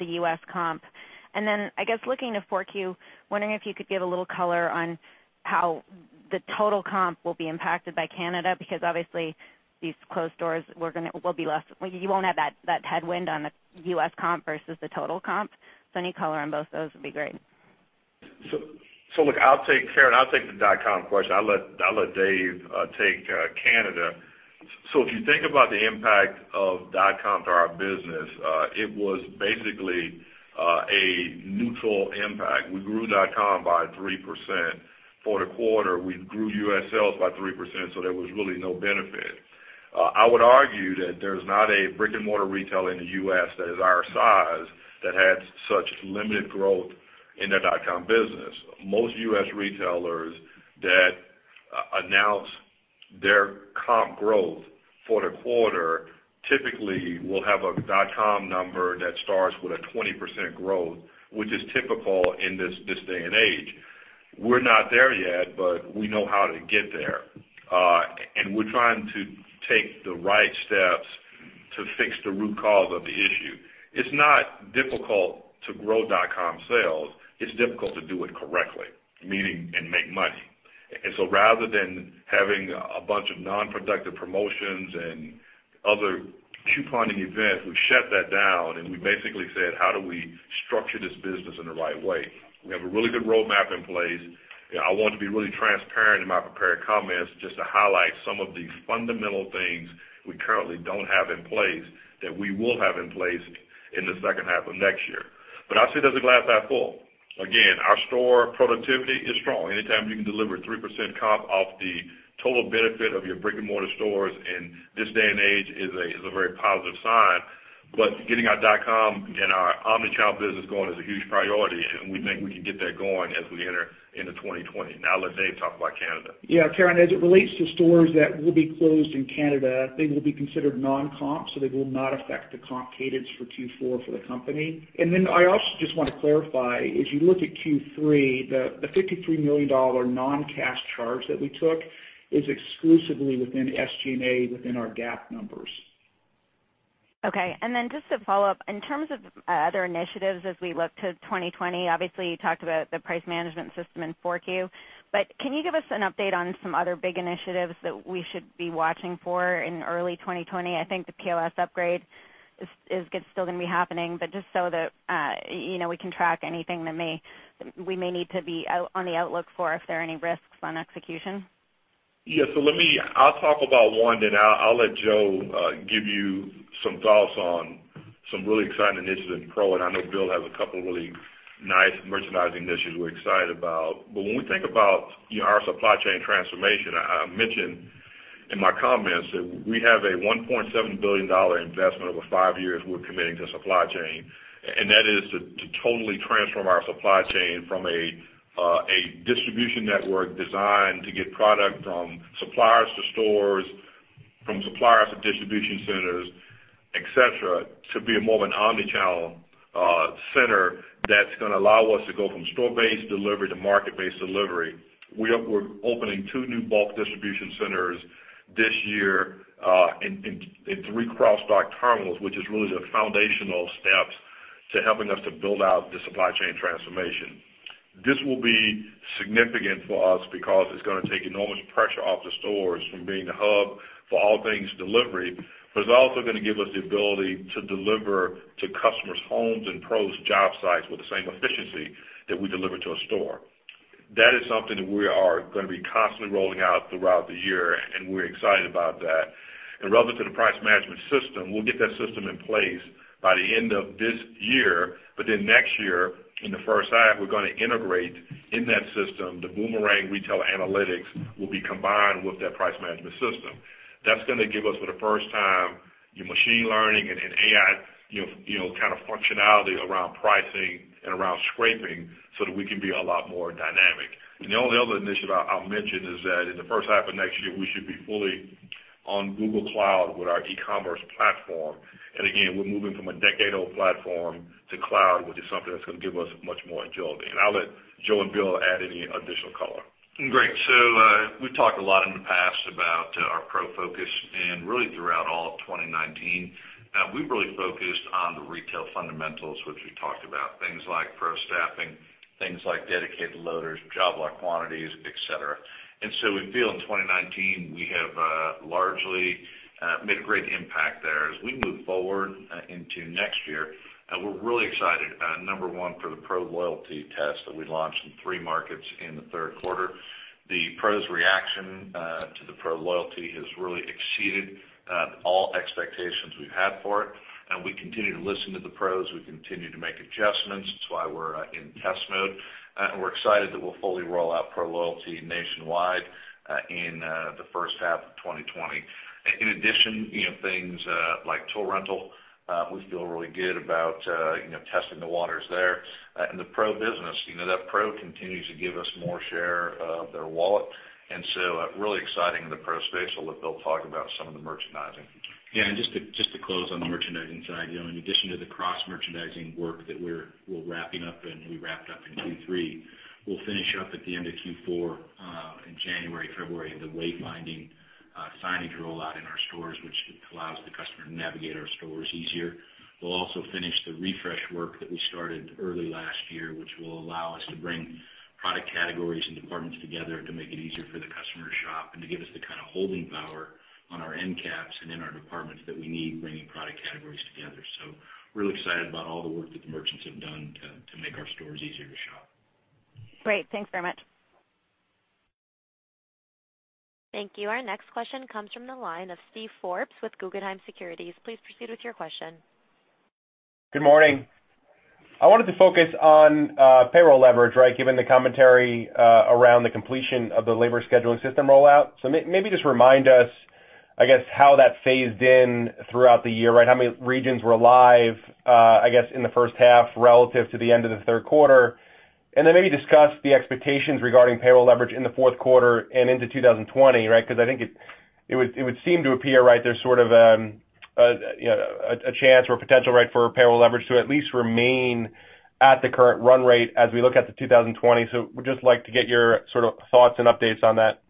U.S. comp. Then, I guess looking to 4Q, wondering if you could give a little color on how the total comp will be impacted by Canada, because obviously these closed stores will be less. You won't have that headwind on the U.S. comp versus the total comp. Any color on both those would be great. Look, Karen, I'll take the dot-com question. I'll let Dave take Canada. If you think about the impact of dot-com to our business, it was basically a neutral impact. We grew dot-com by 3%. For the quarter, we grew U.S. sales by 3%, so there was really no benefit. I would argue that there's not a brick-and-mortar retail in the U.S. that is our size that had such limited growth in their dot-com business. Most U.S. retailers that announce their comp growth for the quarter typically will have a dot-com number that starts with a 20% growth, which is typical in this day and age. We're not there yet, but we know how to get there. We're trying to take the right steps to fix the root cause of the issue. It's not difficult to grow dot-com sales. It's difficult to do it correctly, meaning, and make money. Rather than having a bunch of non-productive promotions and other couponing events, we've shut that down, and we basically said, "How do we structure this business in the right way?" We have a really good roadmap in place. I wanted to be really transparent in my prepared comments just to highlight some of the fundamental things we currently don't have in place that we will have in place in the second half of next year. I see it as a glass half full. Again, our store productivity is strong. Anytime you can deliver 3% comp off the total benefit of your brick-and-mortar stores in this day and age is a very positive sign. Getting our Lowes.com and our omni-channel business going is a huge priority, and we think we can get that going as we enter into 2020. Now, [Dave], talk about Canada. Karen, as it relates to stores that will be closed in Canada, they will be considered non-comp, so they will not affect the comp cadence for Q4 for the company. Then I also just want to clarify, as you look at Q3, the $53 million non-cash charge that we took is exclusively within SG&A within our GAAP numbers. Okay. Just to follow up, in terms of other initiatives as we look to 2020, obviously, you talked about the price management system in 4Q, can you give us an update on some other big initiatives that we should be watching for in early 2020? I think the POS upgrade is still going to be happening, just so that we can track anything that we may need to be on the outlook for if there are any risks on execution. Yeah. I'll talk about one, then I'll let Joe give you some thoughts on some really exciting initiatives in Pro, and I know Bill has a couple really nice merchandising initiatives we're excited about. When we think about our supply chain transformation, I mentioned in my comments that we have a $1.7 billion investment over five years we're committing to supply chain, and that is to totally transform our supply chain from a distribution network designed to get product from suppliers to stores, from suppliers to distribution centers, et cetera, to be more of an omni-channel center that's going to allow us to go from store-based delivery to market-based delivery. We're opening two new bulk distribution centers this year, and three cross-dock terminals, which is really the foundational steps to helping us to build out the supply chain transformation. This will be significant for us because it's going to take enormous pressure off the stores from being the hub for all things delivery, but it's also going to give us the ability to deliver to customers' homes and Pro's job sites with the same efficiency that we deliver to a store. That is something that we are going to be constantly rolling out throughout the year, and we're excited about that. Relevant to the price management system, we'll get that system in place by the end of this year. Next year, in the first half, we're going to integrate in that system, the Boomerang Retail Analytics will be combined with that price management system. That's going to give us, for the first time, your machine learning and AI kind of functionality around pricing and around scraping so that we can be a lot more dynamic. The only other initiative I'll mention is that in the first half of next year, we should be fully on Google Cloud with our e-commerce platform. Again, we're moving from a decade-old platform to cloud, which is something that's going to give us much more agility. I'll let Joe and Bill add any additional color. Great. We've talked a lot in the past about our Pro focus, and really throughout all of 2019. We've really focused on the retail fundamentals, which we talked about. Things like Pro staffing, things like dedicated loaders, job lock quantities, et cetera. We feel in 2019, we have largely made a great impact there. As we move forward into next year, we're really excited, number one, for the Pro Loyalty test that we launched in three markets in the third quarter. The Pros' reaction to the Pro Loyalty has really exceeded all expectations we've had for it, and we continue to listen to the Pros. We continue to make adjustments. That's why we're in test mode. We're excited that we'll fully roll out Pro Loyalty nationwide in the first half of 2020. In addition, things like tool rental, we feel really good about testing the waters there. The Pro business, that Pro continues to give us more share of their wallet. Really exciting in the Pro space. I'll let Bill Boltz talk about some of the merchandising. Yeah, just to close on the merchandising side. In addition to the cross-merchandising work that we're wrapping up and we wrapped up in Q3, we'll finish up at the end of Q4, in January, February, the wayfinding signage rollout in our stores, which allows the customer to navigate our stores easier. We'll also finish the refresh work that we started early last year, which will allow us to bring product categories and departments together to make it easier for the customer to shop and to give us the kind of holding power on our end caps and in our departments that we need, bringing product categories together. Really excited about all the work that the merchants have done to make our stores easier to shop. Great. Thanks very much. Thank you. Our next question comes from the line of Steve Forbes with Guggenheim Securities. Please proceed with your question. Good morning. I wanted to focus on payroll leverage, given the commentary around the completion of the labor scheduling system rollout. Maybe just remind us, I guess, how that phased in throughout the year. How many regions were live, I guess, in the first half relative to the end of the third quarter? Then maybe discuss the expectations regarding payroll leverage in the fourth quarter and into 2020. I think it would seem to appear there's sort of a chance or a potential for payroll leverage to at least remain at the current run rate as we look out to 2020. Would just like to get your sort of thoughts and updates on that.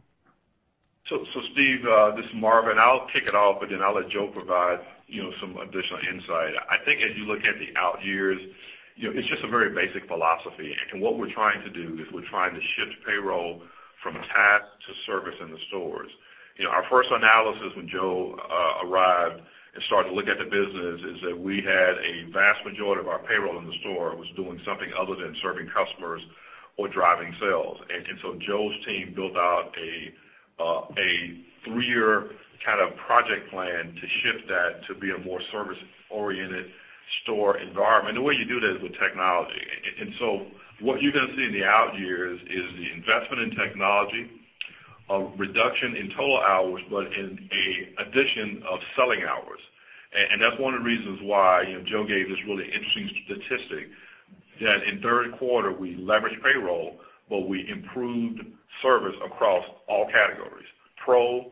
Steve, this is Marvin. I'll kick it off, but then I'll let Joe provide some additional insight. I think as you look at the out years, it's just a very basic philosophy. What we're trying to do is we're trying to shift payroll from a task to service in the stores. Our first analysis when Joe arrived and started to look at the business is that we had a vast majority of our payroll in the store was doing something other than serving customers or driving sales. Joe's team built out a three-year kind of project plan to shift that to be a more service-oriented store environment. The way you do that is with technology. What you're going to see in the out years is the investment in technology, a reduction in total hours, but an addition of selling hours. That's one of the reasons why Joe gave this really interesting statistic that in the third quarter, we leveraged payroll, but we improved service across all categories, pro,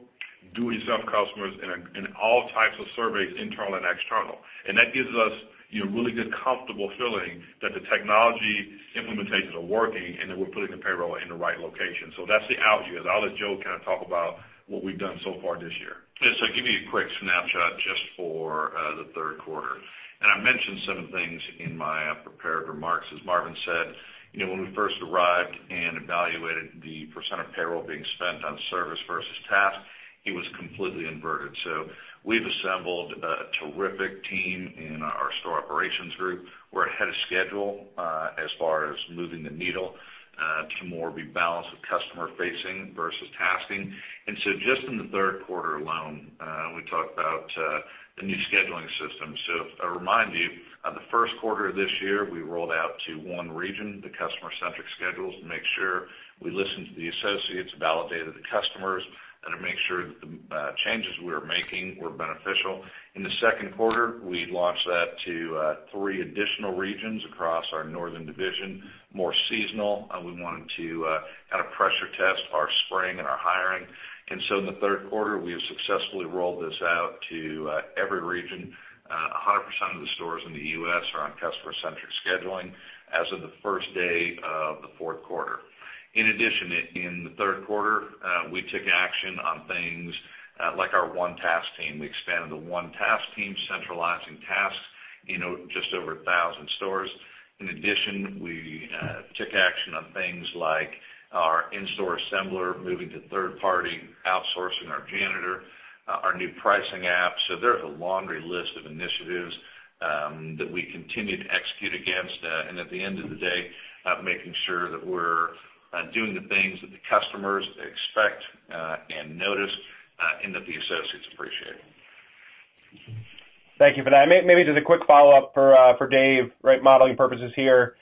do-it-yourself customers, in all types of surveys, internal and external. That gives us a really good, comfortable feeling that the technology implementations are working and that we're putting the payroll in the right location. That's the out years. I'll let Joe talk about what we've done so far this year. Yes. I'll give you a quick snapshot just for the third quarter. I mentioned some of the things in my prepared remarks. As Marvin said, when we first arrived and evaluated the percent of payroll being spent on service versus task, it was completely inverted. We've assembled a terrific team in our store operations group. We're ahead of schedule as far as moving the needle to more rebalance of customer-facing versus tasking. Just in the third quarter alone, we talked about the new scheduling system. To remind you, the first quarter of this year, we rolled out to one region the customer-centric schedules to make sure we listened to the associates, validated the customers, and to make sure that the changes we were making were beneficial. In the second quarter, we launched that to three additional regions across our northern division, more seasonal. We wanted to pressure test our spring and our hiring. In the third quarter, we have successfully rolled this out to every region. 100% of the stores in the U.S. are on Customer-Centric Scheduling as of the first day of the fourth quarter. In the third quarter, we took action on things like our One Task Team. We expanded the One Task Team, centralizing tasks in just over 1,000 stores. We took action on things like our in-store assembler, moving to third party, outsourcing our janitor, our new pricing app. There is a laundry list of initiatives that we continue to execute against. Making sure that we're doing the things that the customers expect and notice, and that the associates appreciate. Thank you for that. Maybe just a quick follow-up for Dave, modeling purposes here.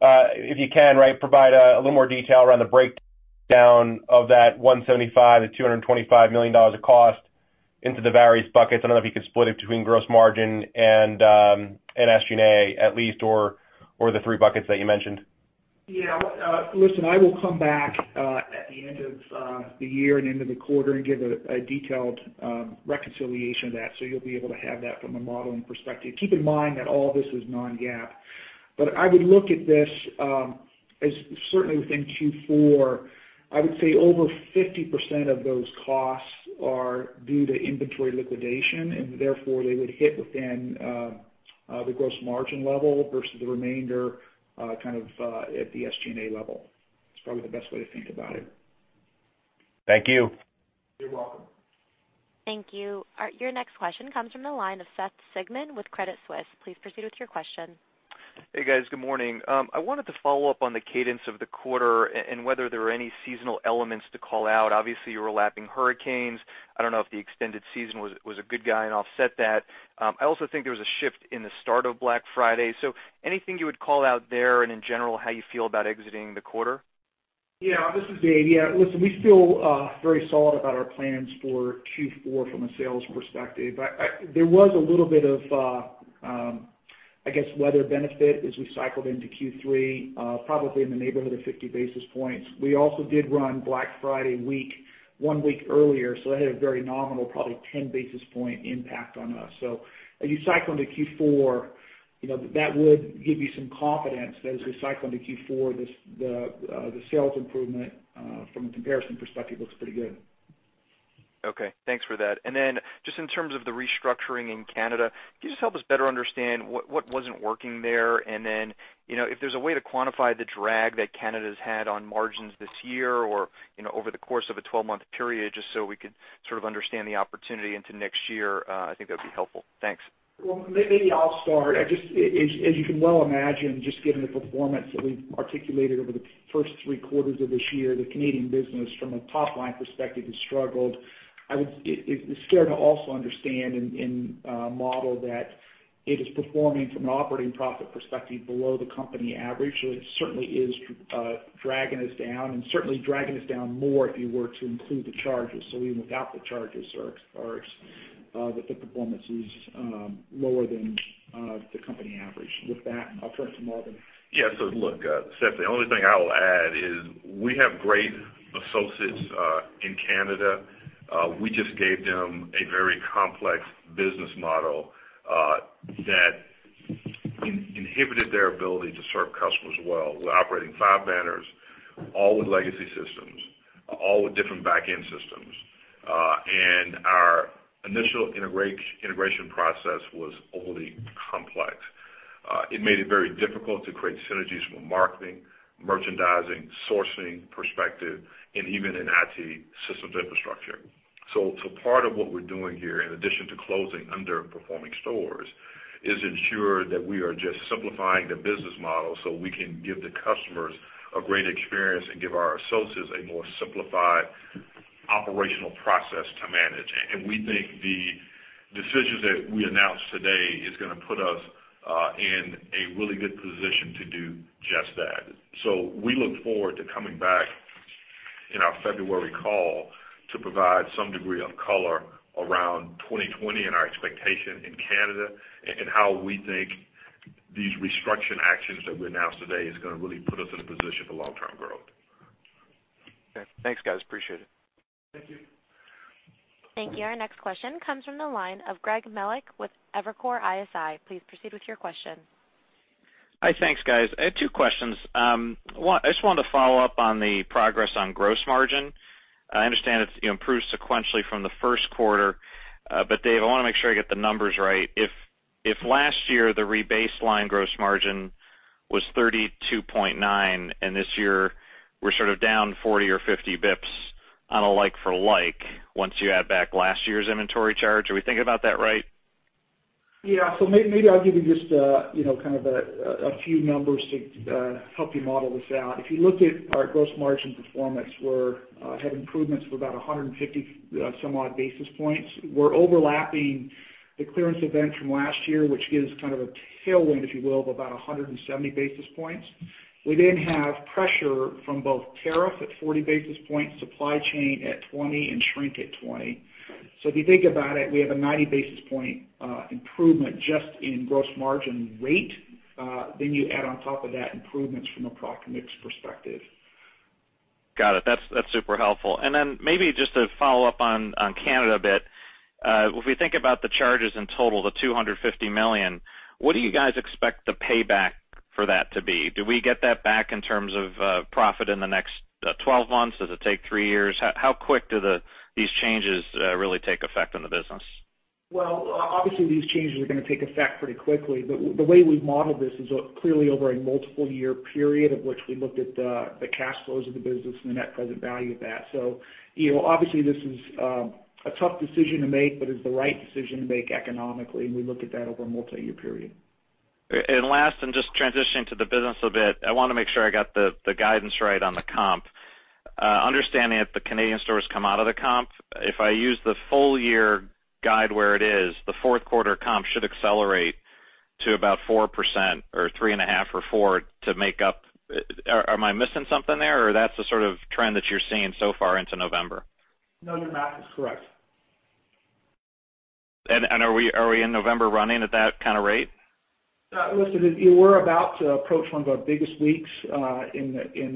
If you can, provide a little more detail around the breakdown of that $175 million-$225 million of cost into the various buckets. I don't know if you could split it between gross margin and SG&A at least, or the three buckets that you mentioned. Yeah. Listen, I will come back at the end of the year and end of the quarter and give a detailed reconciliation of that so you'll be able to have that from a modeling perspective. Keep in mind that all this is non-GAAP. I would look at this as certainly within Q4, I would say over 50% of those costs are due to inventory liquidation, and therefore they would hit within the gross margin level versus the remainder at the SG&A level. That's probably the best way to think about it. Thank you. You're welcome. Thank you. Your next question comes from the line of Seth Sigman with Credit Suisse. Please proceed with your question. Hey, guys. Good morning. I wanted to follow up on the cadence of the quarter and whether there were any seasonal elements to call out. Obviously, you were lapping hurricanes. I don't know if the extended season was a good guide and offset that. I also think there was a shift in the start of Black Friday. Anything you would call out there, and in general, how you feel about exiting the quarter? This is Dave. Listen, we feel very solid about our plans for Q4 from a sales perspective. There was a little bit of, I guess, weather benefit as we cycled into Q3, probably in the neighborhood of 50 basis points. We also did run Black Friday week one week earlier, that had a very nominal, probably 10-basis point impact on us. As you cycle into Q4, that would give you some confidence that as we cycle into Q4, the sales improvement from a comparison perspective looks pretty good. Okay. Thanks for that. Just in terms of the restructuring in Canada, can you just help us better understand what wasn't working there? If there's a way to quantify the drag that Canada's had on margins this year or, over the course of a 12-month period, just so we could sort of understand the opportunity into next year, I think that'd be helpful. Thanks. Well, maybe I'll start. As you can well imagine, just given the performance that we've articulated over the first three quarters of this year, the Canadian business from a top-line perspective has struggled. It's fair to also understand and model that it is performing from an operating profit perspective below the company average. It certainly is dragging us down and certainly dragging us down more if you were to include the charges. Even without the charges, the performance is lower than the company average. With that, I'll turn it to Marvin. Yeah. Look, Seth, the only thing I'll add is we have great associates in Canada. We just gave them a very complex business model that. inhibited their ability to serve customers well. We're operating five banners, all with legacy systems, all with different back-end systems. Our initial integration process was overly complex. It made it very difficult to create synergies from a marketing, merchandising, sourcing perspective, and even in IT systems infrastructure. Part of what we're doing here, in addition to closing underperforming stores, is ensure that we are just simplifying the business model so we can give the customers a great experience and give our associates a more simplified operational process to manage. We think the decisions that we announced today is gonna put us in a really good position to do just that. We look forward to coming back in our February call to provide some degree of color around 2020 and our expectation in Canada, and how we think these restructuring actions that we announced today is gonna really put us in a position for long-term growth. Okay. Thanks, guys. Appreciate it. Thank you. Thank you. Our next question comes from the line of Greg Melich with Evercore ISI. Please proceed with your question. Hi. Thanks, guys. I had two questions. I just wanted to follow up on the progress on gross margin. I understand it's improved sequentially from the first quarter. Dave, I wanna make sure I get the numbers right. If last year, the rebased line gross margin was 32.9, and this year, we're sort of down 40 or 50 bips on a like for like, once you add back last year's inventory charge. Are we thinking about that right? Yeah. Maybe I'll give you just a few numbers to help you model this out. If you looked at our gross margin performance, we had improvements of about 150 some odd basis points. We're overlapping the clearance event from last year, which gives kind of a tailwind, if you will, of about 170 basis points. We have pressure from both tariff at 40 basis points, supply chain at 20, and shrink at 20. If you think about it, we have a 90 basis point improvement just in gross margin rate. You add on top of that improvements from a product mix perspective. Got it. That's super helpful. Then maybe just to follow up on Canada a bit. If we think about the charges in total, the $250 million, what do you guys expect the payback for that to be? Do we get that back in terms of profit in the next 12 months? Does it take three years? How quick do these changes really take effect on the business? Well, obviously, these changes are gonna take effect pretty quickly, but the way we've modeled this is clearly over a multiple year period of which we looked at the cash flows of the business and the net present value of that. Obviously, this is a tough decision to make, but it's the right decision to make economically, and we looked at that over a multi-year period. Last, just transitioning to the business a bit. I wanna make sure I got the guidance right on the comp. Understanding that the Canadian stores come out of the comp, if I use the full year guide where it is, the fourth quarter comp should accelerate to about 4% or 3.5% or 4% to make up Am I missing something there? Or that's the sort of trend that you're seeing so far into November? No, your math is correct. Are we in November running at that kind of rate? Listen, we're about to approach one of our biggest weeks in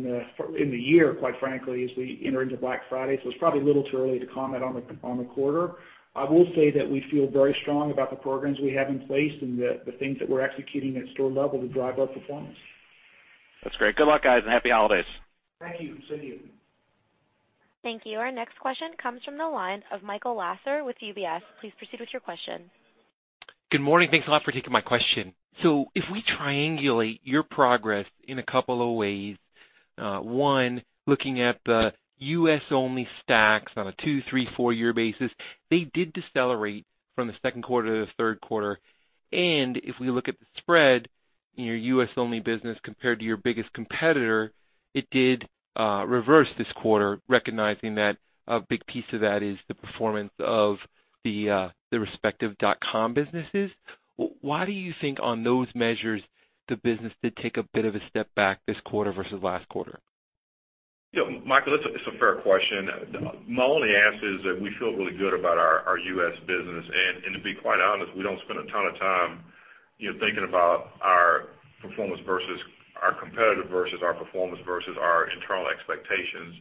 the year, quite frankly, as we enter into Black Friday, so it's probably a little too early to comment on the quarter. I will say that we feel very strong about the programs we have in place and the things that we're executing at store level to drive our performance. That's great. Good luck, guys, and happy holidays. Thank you. Same to you. Thank you. Our next question comes from the line of Michael Lasser with UBS. Please proceed with your question. Good morning. Thanks a lot for taking my question. If we triangulate your progress in a couple of ways, one, looking at the U.S.-only stacks on a two, three, four-year basis, they did decelerate from the second quarter to the third quarter. If we look at the spread in your U.S.-only business compared to your biggest competitor, it did reverse this quarter, recognizing that a big piece of that is the performance of the respective dot-com businesses. Why do you think on those measures the business did take a bit of a step back this quarter versus last quarter? Michael, it's a fair question. My only answer is that we feel really good about our U.S. business. To be quite honest, we don't spend a ton of time thinking about our performance versus our competitive versus our performance versus our internal expectations.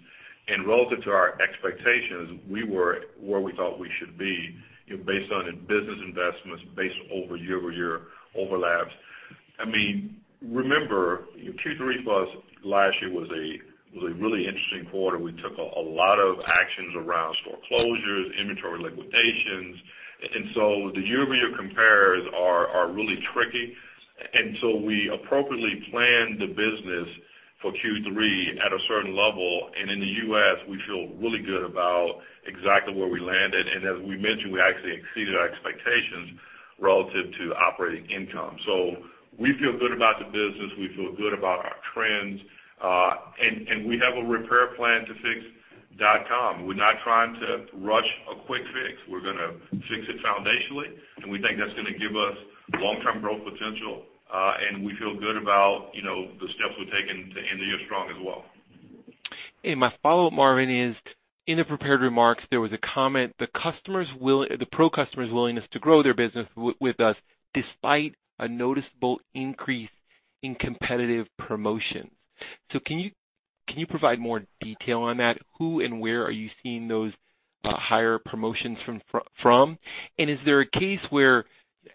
Relative to our expectations, we were where we thought we should be based on the business investments, based over year-over-year overlaps. Remember, Q3 for us last year was a really interesting quarter. We took a lot of actions around store closures, inventory liquidations, and so the year-over-year compares are really tricky. We appropriately planned the business for Q3 at a certain level. In the U.S., we feel really good about exactly where we landed. As we mentioned, we actually exceeded our expectations relative to operating income. We feel good about the business. We feel good about our trends. We have a repair plan to fix lowes.com. We're not trying to rush a quick fix. We're gonna fix it foundationally, and we think that's gonna give us long-term growth potential. We feel good about the steps we've taken to end the year strong as well. My follow-up, Marvin, is in the prepared remarks, there was a comment, "The pro customer's willingness to grow their business with us despite a noticeable increase in competitive promotions." Can you provide more detail on that? Who and where are you seeing those higher promotions from? Is there a case where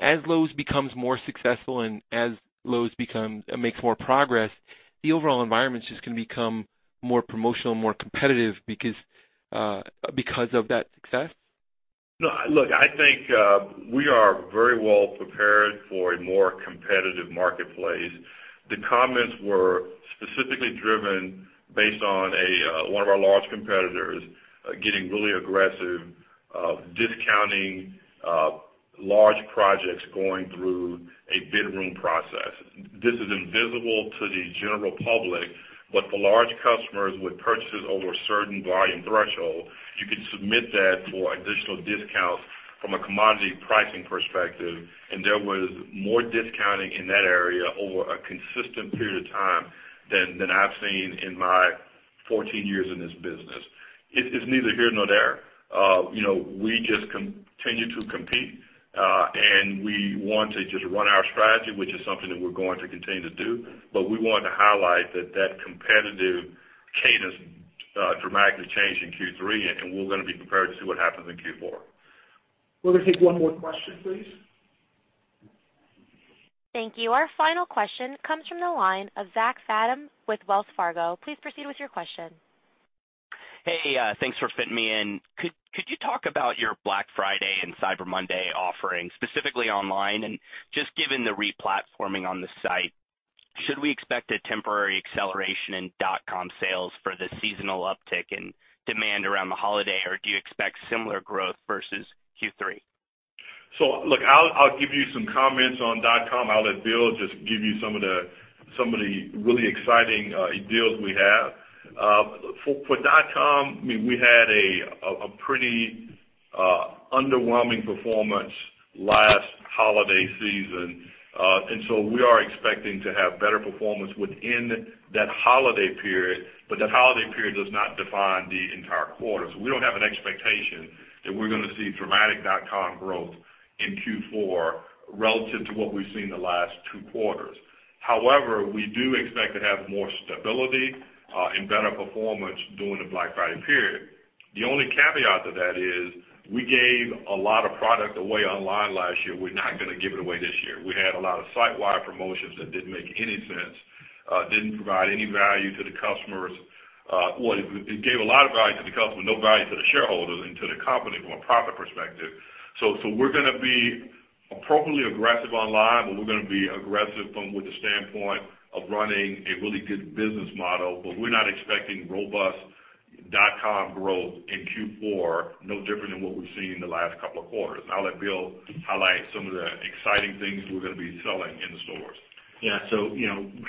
as Lowe's becomes more successful and as Lowe's makes more progress, the overall environment is just going to become more promotional and more competitive because of that success? No, look, I think we are very well prepared for a more competitive marketplace. The comments were specifically driven based on one of our large competitors getting really aggressive, discounting large projects going through a bid room process. This is invisible to the general public, but for large customers with purchases over a certain volume threshold, you could submit that for additional discounts from a commodity pricing perspective, and there was more discounting in that area over a consistent period of time than I've seen in my 14 years in this business. It's neither here nor there. We just continue to compete, and we want to just run our strategy, which is something that we're going to continue to do. We want to highlight that competitive cadence dramatically changed in Q3, and we're going to be prepared to see what happens in Q4. We're going to take one more question, please. Thank you. Our final question comes from the line of Zach Fadem with Wells Fargo. Please proceed with your question. Hey, thanks for fitting me in. Could you talk about your Black Friday and Cyber Monday offerings, specifically online? Just given the re-platforming on the site, should we expect a temporary acceleration in lowes.com sales for the seasonal uptick in demand around the holiday, or do you expect similar growth versus Q3? Look, I'll give you some comments on dot-com. I'll let Bill just give you some of the really exciting deals we have. For dot-com, we had a pretty underwhelming performance last holiday season. We are expecting to have better performance within that holiday period, but that holiday period does not define the entire quarter. We don't have an expectation that we're going to see dramatic dot-com growth in Q4 relative to what we've seen the last two quarters. However, we do expect to have more stability and better performance during the Black Friday period. The only caveat to that is we gave a lot of product away online last year. We're not going to give it away this year. We had a lot of site-wide promotions that didn't make any sense, didn't provide any value to the customers. Well, it gave a lot of value to the customer, no value to the shareholders and to the company from a profit perspective. We're going to be appropriately aggressive online, but we're going to be aggressive from with the standpoint of running a really good business model. We're not expecting robust dot-com growth in Q4, no different than what we've seen in the last couple of quarters. I'll let Bill highlight some of the exciting things we're going to be selling in the stores. Yeah.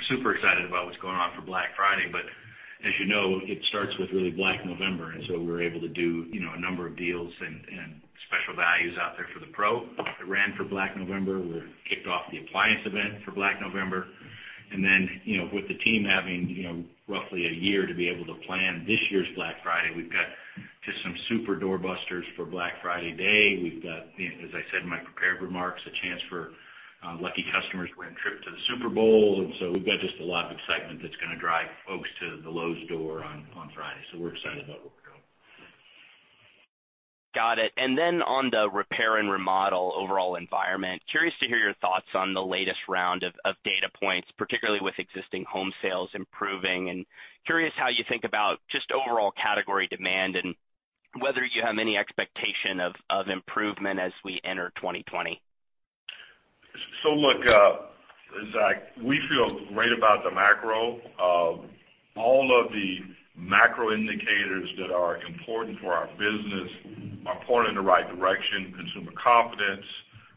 super excited about what's going on for Black Friday. As you know, it starts with really Black November. We were able to do a number of deals and special values out there for the pro that ran for Black November. We kicked off the appliance event for Black November. With the team having roughly a year to be able to plan this year's Black Friday, we've got just some super doorbusters for Black Friday day. We've got, as I said in my prepared remarks, a chance for lucky customers to win a trip to the Super Bowl. We've got just a lot of excitement that's going to drive folks to the Lowe's door on Friday. We're excited about where we're going. Got it. Then on the repair and remodel overall environment, curious to hear your thoughts on the latest round of data points, particularly with existing home sales improving and curious how you think about just overall category demand and whether you have any expectation of improvement as we enter 2020? Look, Zach, we feel great about the macro. All of the macro indicators that are important for our business are pointing in the right direction. Consumer confidence,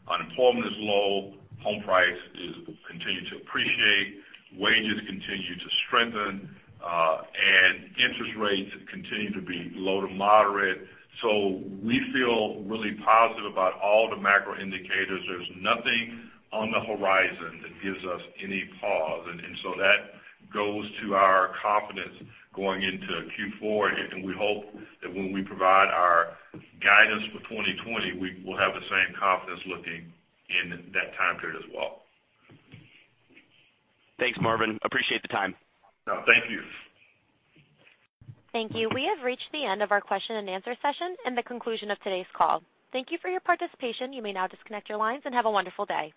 unemployment is low, home price is continuing to appreciate, wages continue to strengthen, and interest rates continue to be low to moderate. We feel really positive about all the macro indicators. There's nothing on the horizon that gives us any pause, and so that goes to our confidence going into Q4. We hope that when we provide our guidance for 2020, we will have the same confidence looking in that time period as well. Thanks, Marvin. Appreciate the time. Thank you. Thank you. We have reached the end of our question and answer session and the conclusion of today's call. Thank you for your participation. You may now disconnect your lines and have a wonderful day.